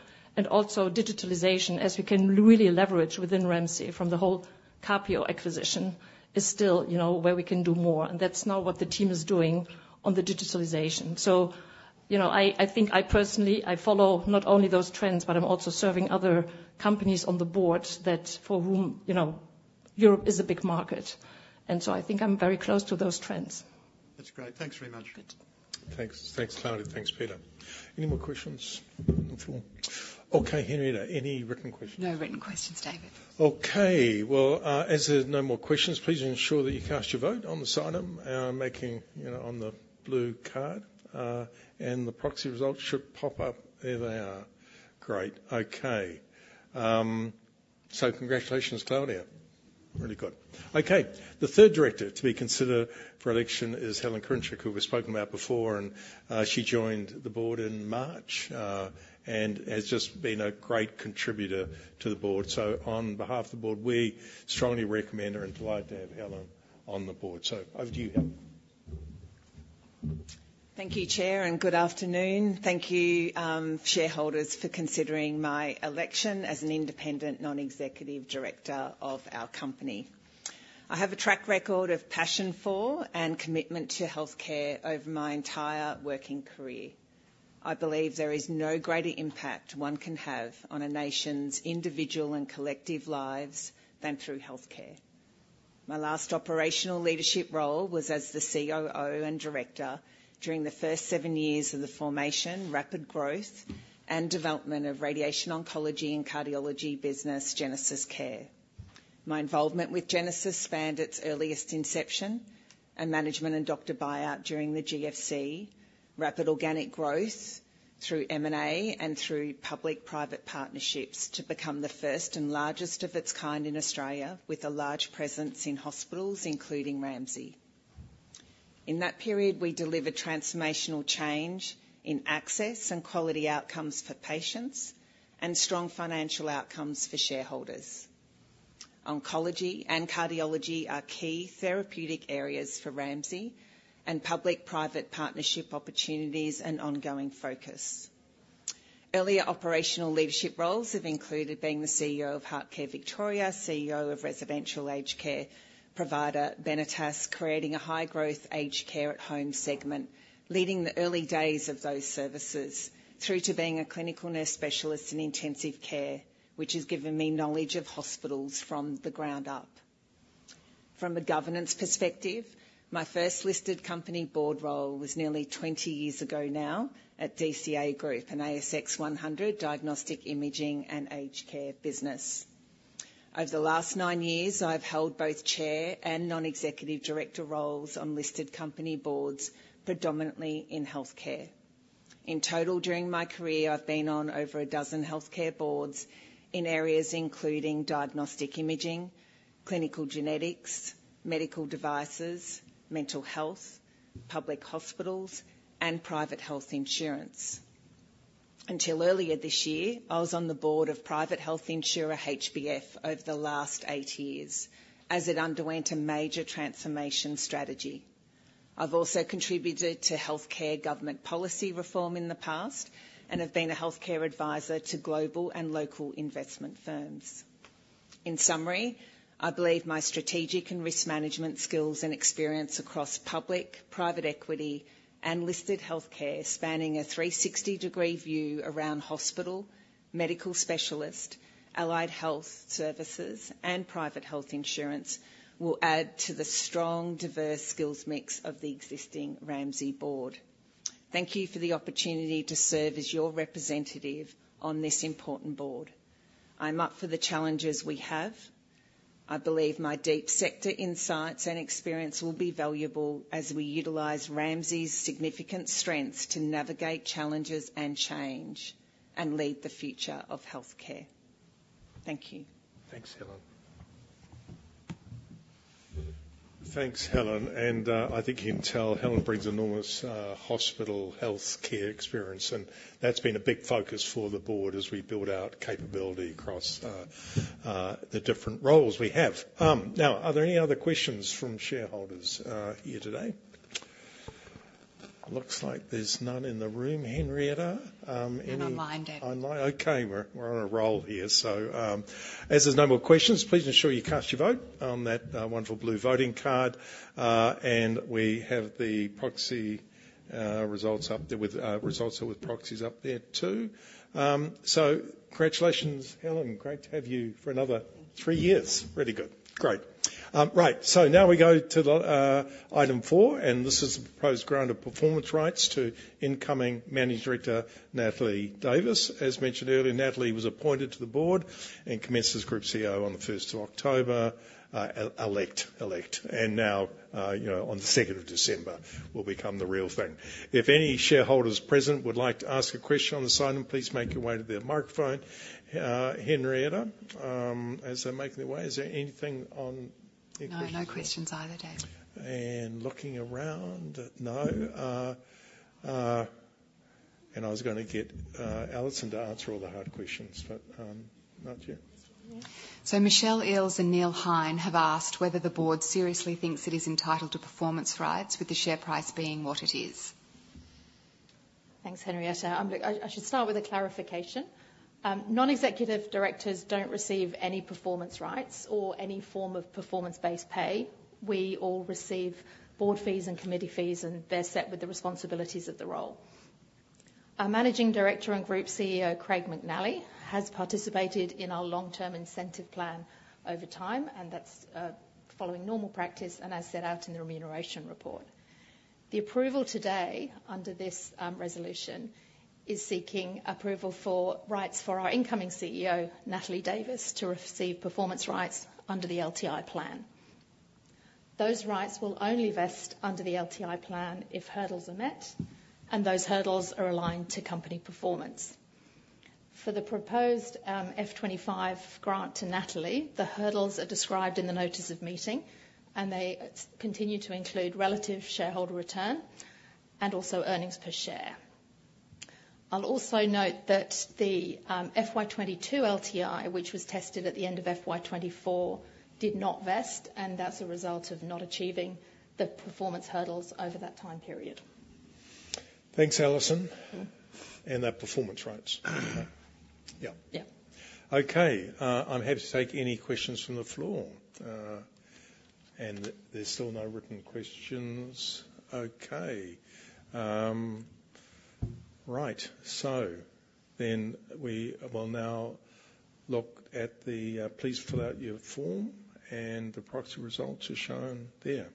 Also, digitalization, as we can really leverage within Ramsay from the whole Capio acquisition, is still where we can do more. That's now what the team is doing on the digitalization. I think I personally follow not only those trends, but I'm also serving other companies on the board for whom Europe is a big market. I think I'm very close to those trends. That's great. Thanks very much. Good. Thanks. Thanks, Claudia. Thanks, Peter. Any more questions? Okay. Henrietta, any written questions? No written questions, David. Okay. As there's no more questions, please ensure that you cast your vote on the show of hands voting on the blue card. The proxy results should pop up. There they are. Great. Okay. Congratulations, Claudia. Really good. Okay. The third director to be considered for election is Helen Kurincic, who we've spoken about before. She joined the board in March and has just been a great contributor to the board. On behalf of the board, we strongly recommend her and are delighted to have Helen on the board. Over to you, Helen. Thank you, Chair, and good afternoon. Thank you, shareholders, for considering my election as an independent non-executive director of our company. I have a track record of passion for and commitment to healthcare over my entire working career. I believe there is no greater impact one can have on a nation's individual and collective lives than through healthcare. My last operational leadership role was as the COO and director during the first seven years of the formation, rapid growth and development of radiation oncology and cardiology business GenesisCare. My involvement with GenesisCare spanned its earliest inception and management and doctor buyout during the GFC, rapid organic growth through M&A and through public-private partnerships to become the first and largest of its kind in Australia with a large presence in hospitals, including Ramsay. In that period, we delivered transformational change in access and quality outcomes for patients and strong financial outcomes for shareholders. Oncology and cardiology are key therapeutic areas for Ramsay and public-private partnership opportunities and ongoing focus. Earlier operational leadership roles have included being the CEO of HeartCare Victoria, CEO of residential aged care provider Benetas, creating a high-growth aged care at home segment, leading the early days of those services through to being a clinical nurse specialist in intensive care, which has given me knowledge of hospitals from the ground up. From a governance perspective, my first listed company board role was nearly 20 years ago now at DCA Group and ASX 100 Diagnostic Imaging and Aged Care Business. Over the last 9 years, I've held both chair and non-executive director roles on listed company boards, predominantly in healthcare. In total, during my career, I've been on over a dozen healthcare boards in areas including diagnostic imaging, clinical genetics, medical devices, mental health, public hospitals, and private health insurance. Until earlier this year, I was on the board of private health insurer HBF over the last eight years as it underwent a major transformation strategy. I've also contributed to healthcare government policy reform in the past and have been a healthcare advisor to global and local investment firms. In summary, I believe my strategic and risk management skills and experience across public, private equity, and listed healthcare spanning a 360-degree view around hospital, medical specialist, allied health services, and private health insurance will add to the strong, diverse skills mix of the existing Ramsay board. Thank you for the opportunity to serve as your representative on this important board. I'm up for the challenges we have. I believe my deep sector insights and experience will be valuable as we utilize Ramsay's significant strengths to navigate challenges and change and lead the future of healthcare. Thank you. Thanks, Helen. Thanks, Helen. And I think you can tell Helen brings enormous hospital healthcare experience. And that's been a big focus for the board as we build out capability across the different roles we have. Now, are there any other questions from shareholders here today? Looks like there's none in the room. Henrietta, any? I'm online then. Okay. We're on a roll here. So as there's no more questions, please ensure you cast your vote on that wonderful blue voting card. And we have the proxy results up there with proxy results up there too. So congratulations, Helen. Great to have you for another three years. Really good. Great. Right. So now we go to item four. And this is the proposed grant of performance rights to incoming Managing Director Natalie Davis. As mentioned earlier, Natalie was appointed to the board and commenced as Group CEO on the 1st of October, effective. And now on the 2nd of December will become the real thing. If any shareholders present would like to ask a question on the side, please make your way to their microphone. Henrietta, as they're making their way, is there anything on? No, no questions either, David. And looking around, no. And I was going to get Alison to answer all the hard questions, but not yet. So Michelle Eales and Neil Hein have asked whether the board seriously thinks it is entitled to performance rights with the share price being what it is. Thanks, Henrietta. I should start with a clarification. Non-executive directors don't receive any performance rights or any form of performance-based pay. We all receive board fees and committee fees, and they're set with the responsibilities of the role. Our Managing Director and Group CEO, Craig McNally, has participated in our long-term incentive plan over time, and that's following normal practice and as set out in the remuneration report. The approval today under this resolution is seeking approval for rights for our incoming CEO, Natalie Davis, to receive performance rights under the LTI plan. Those rights will only vest under the LTI plan if hurdles are met and those hurdles are aligned to company performance. For the proposed F25 grant to Natalie, the hurdles are described in the notice of meeting, and they continue to include relative shareholder return and also earnings per share. I'll also note that the FY22 LTI, which was tested at the end of FY24, did not vest, and that's a result of not achieving the performance hurdles over that time period. Thanks, Alison. And that performance rights. Yeah. Yeah. Okay. I'm happy to take any questions from the floor. And there's still no written questions. Okay. Right. So then we will now look at the please fill out your form. And the proxy results are shown there.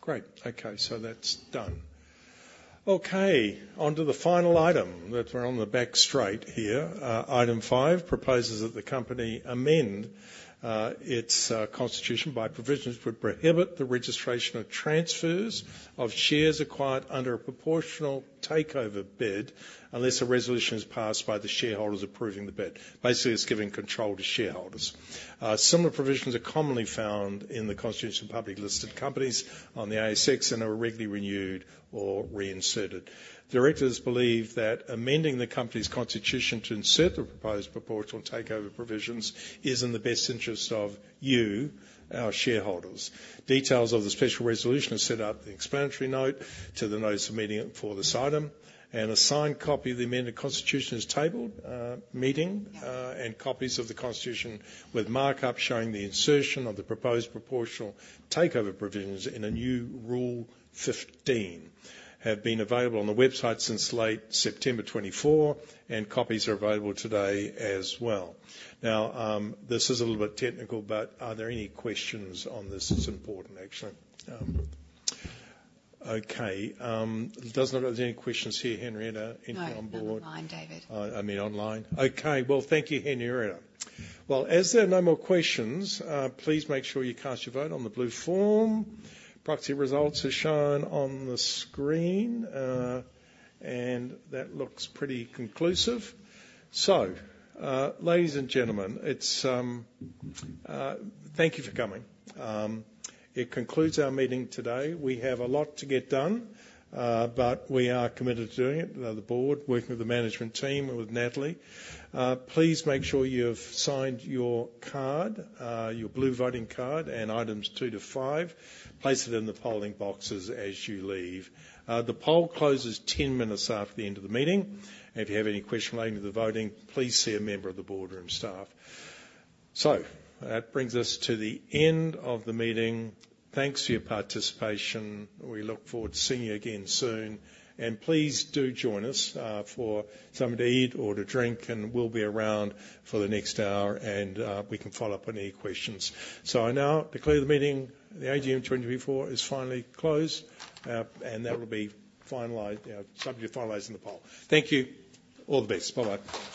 Great. Okay. So that's done. Okay. Onto the final item that we're on the back straight here. Item five proposes that the company amend its constitution by provisions which prohibit the registration of transfers of shares acquired under a proportional takeover bid unless a resolution is passed by the shareholders approving the bid. Basically, it's giving control to shareholders. Similar provisions are commonly found in the constitution of public listed companies on the ASX and are regularly renewed or reinserted. Directors believe that amending the company's constitution to insert the proposed proportional takeover provisions is in the best interest of you, our shareholders. Details of the special resolution are set out in the explanatory note to the notice of meeting for this item. An annexed copy of the amended constitution is tabled at the meeting and copies of the constitution with markup showing the insertion of the proposed proportional takeover provisions in a new rule 15 have been available on the website since late September 2024, and copies are available today as well. Now, this is a little bit technical, but are there any questions on this? It's important, actually. Okay. Doesn't look like there's any questions here. Henrietta, anything on board? No, online, David. I mean, online. Okay. Well, thank you, Henrietta. Well, as there are no more questions, please make sure you cast your vote on the blue form. Proxy results are shown on the screen. And that looks pretty conclusive. So, ladies and gentlemen, thank you for coming. It concludes our meeting today. We have a lot to get done, but we are committed to doing it. The board, working with the management team and with Natalie. Please make sure you've signed your card, your blue voting card, and items two to five. Place it in the polling boxes as you leave. The poll closes 10 minutes after the end of the meeting. If you have any questions relating to the voting, please see a member of the boardroom staff. So that brings us to the end of the meeting. Thanks for your participation. We look forward to seeing you again soon. And please do join us for something to eat or to drink, and we'll be around for the next hour, and we can follow up on any questions. So now to close the meeting, the AGM 2024 is finally closed, and that will be finalized subject to finalize in the poll. Thank you. All the best. Bye-bye.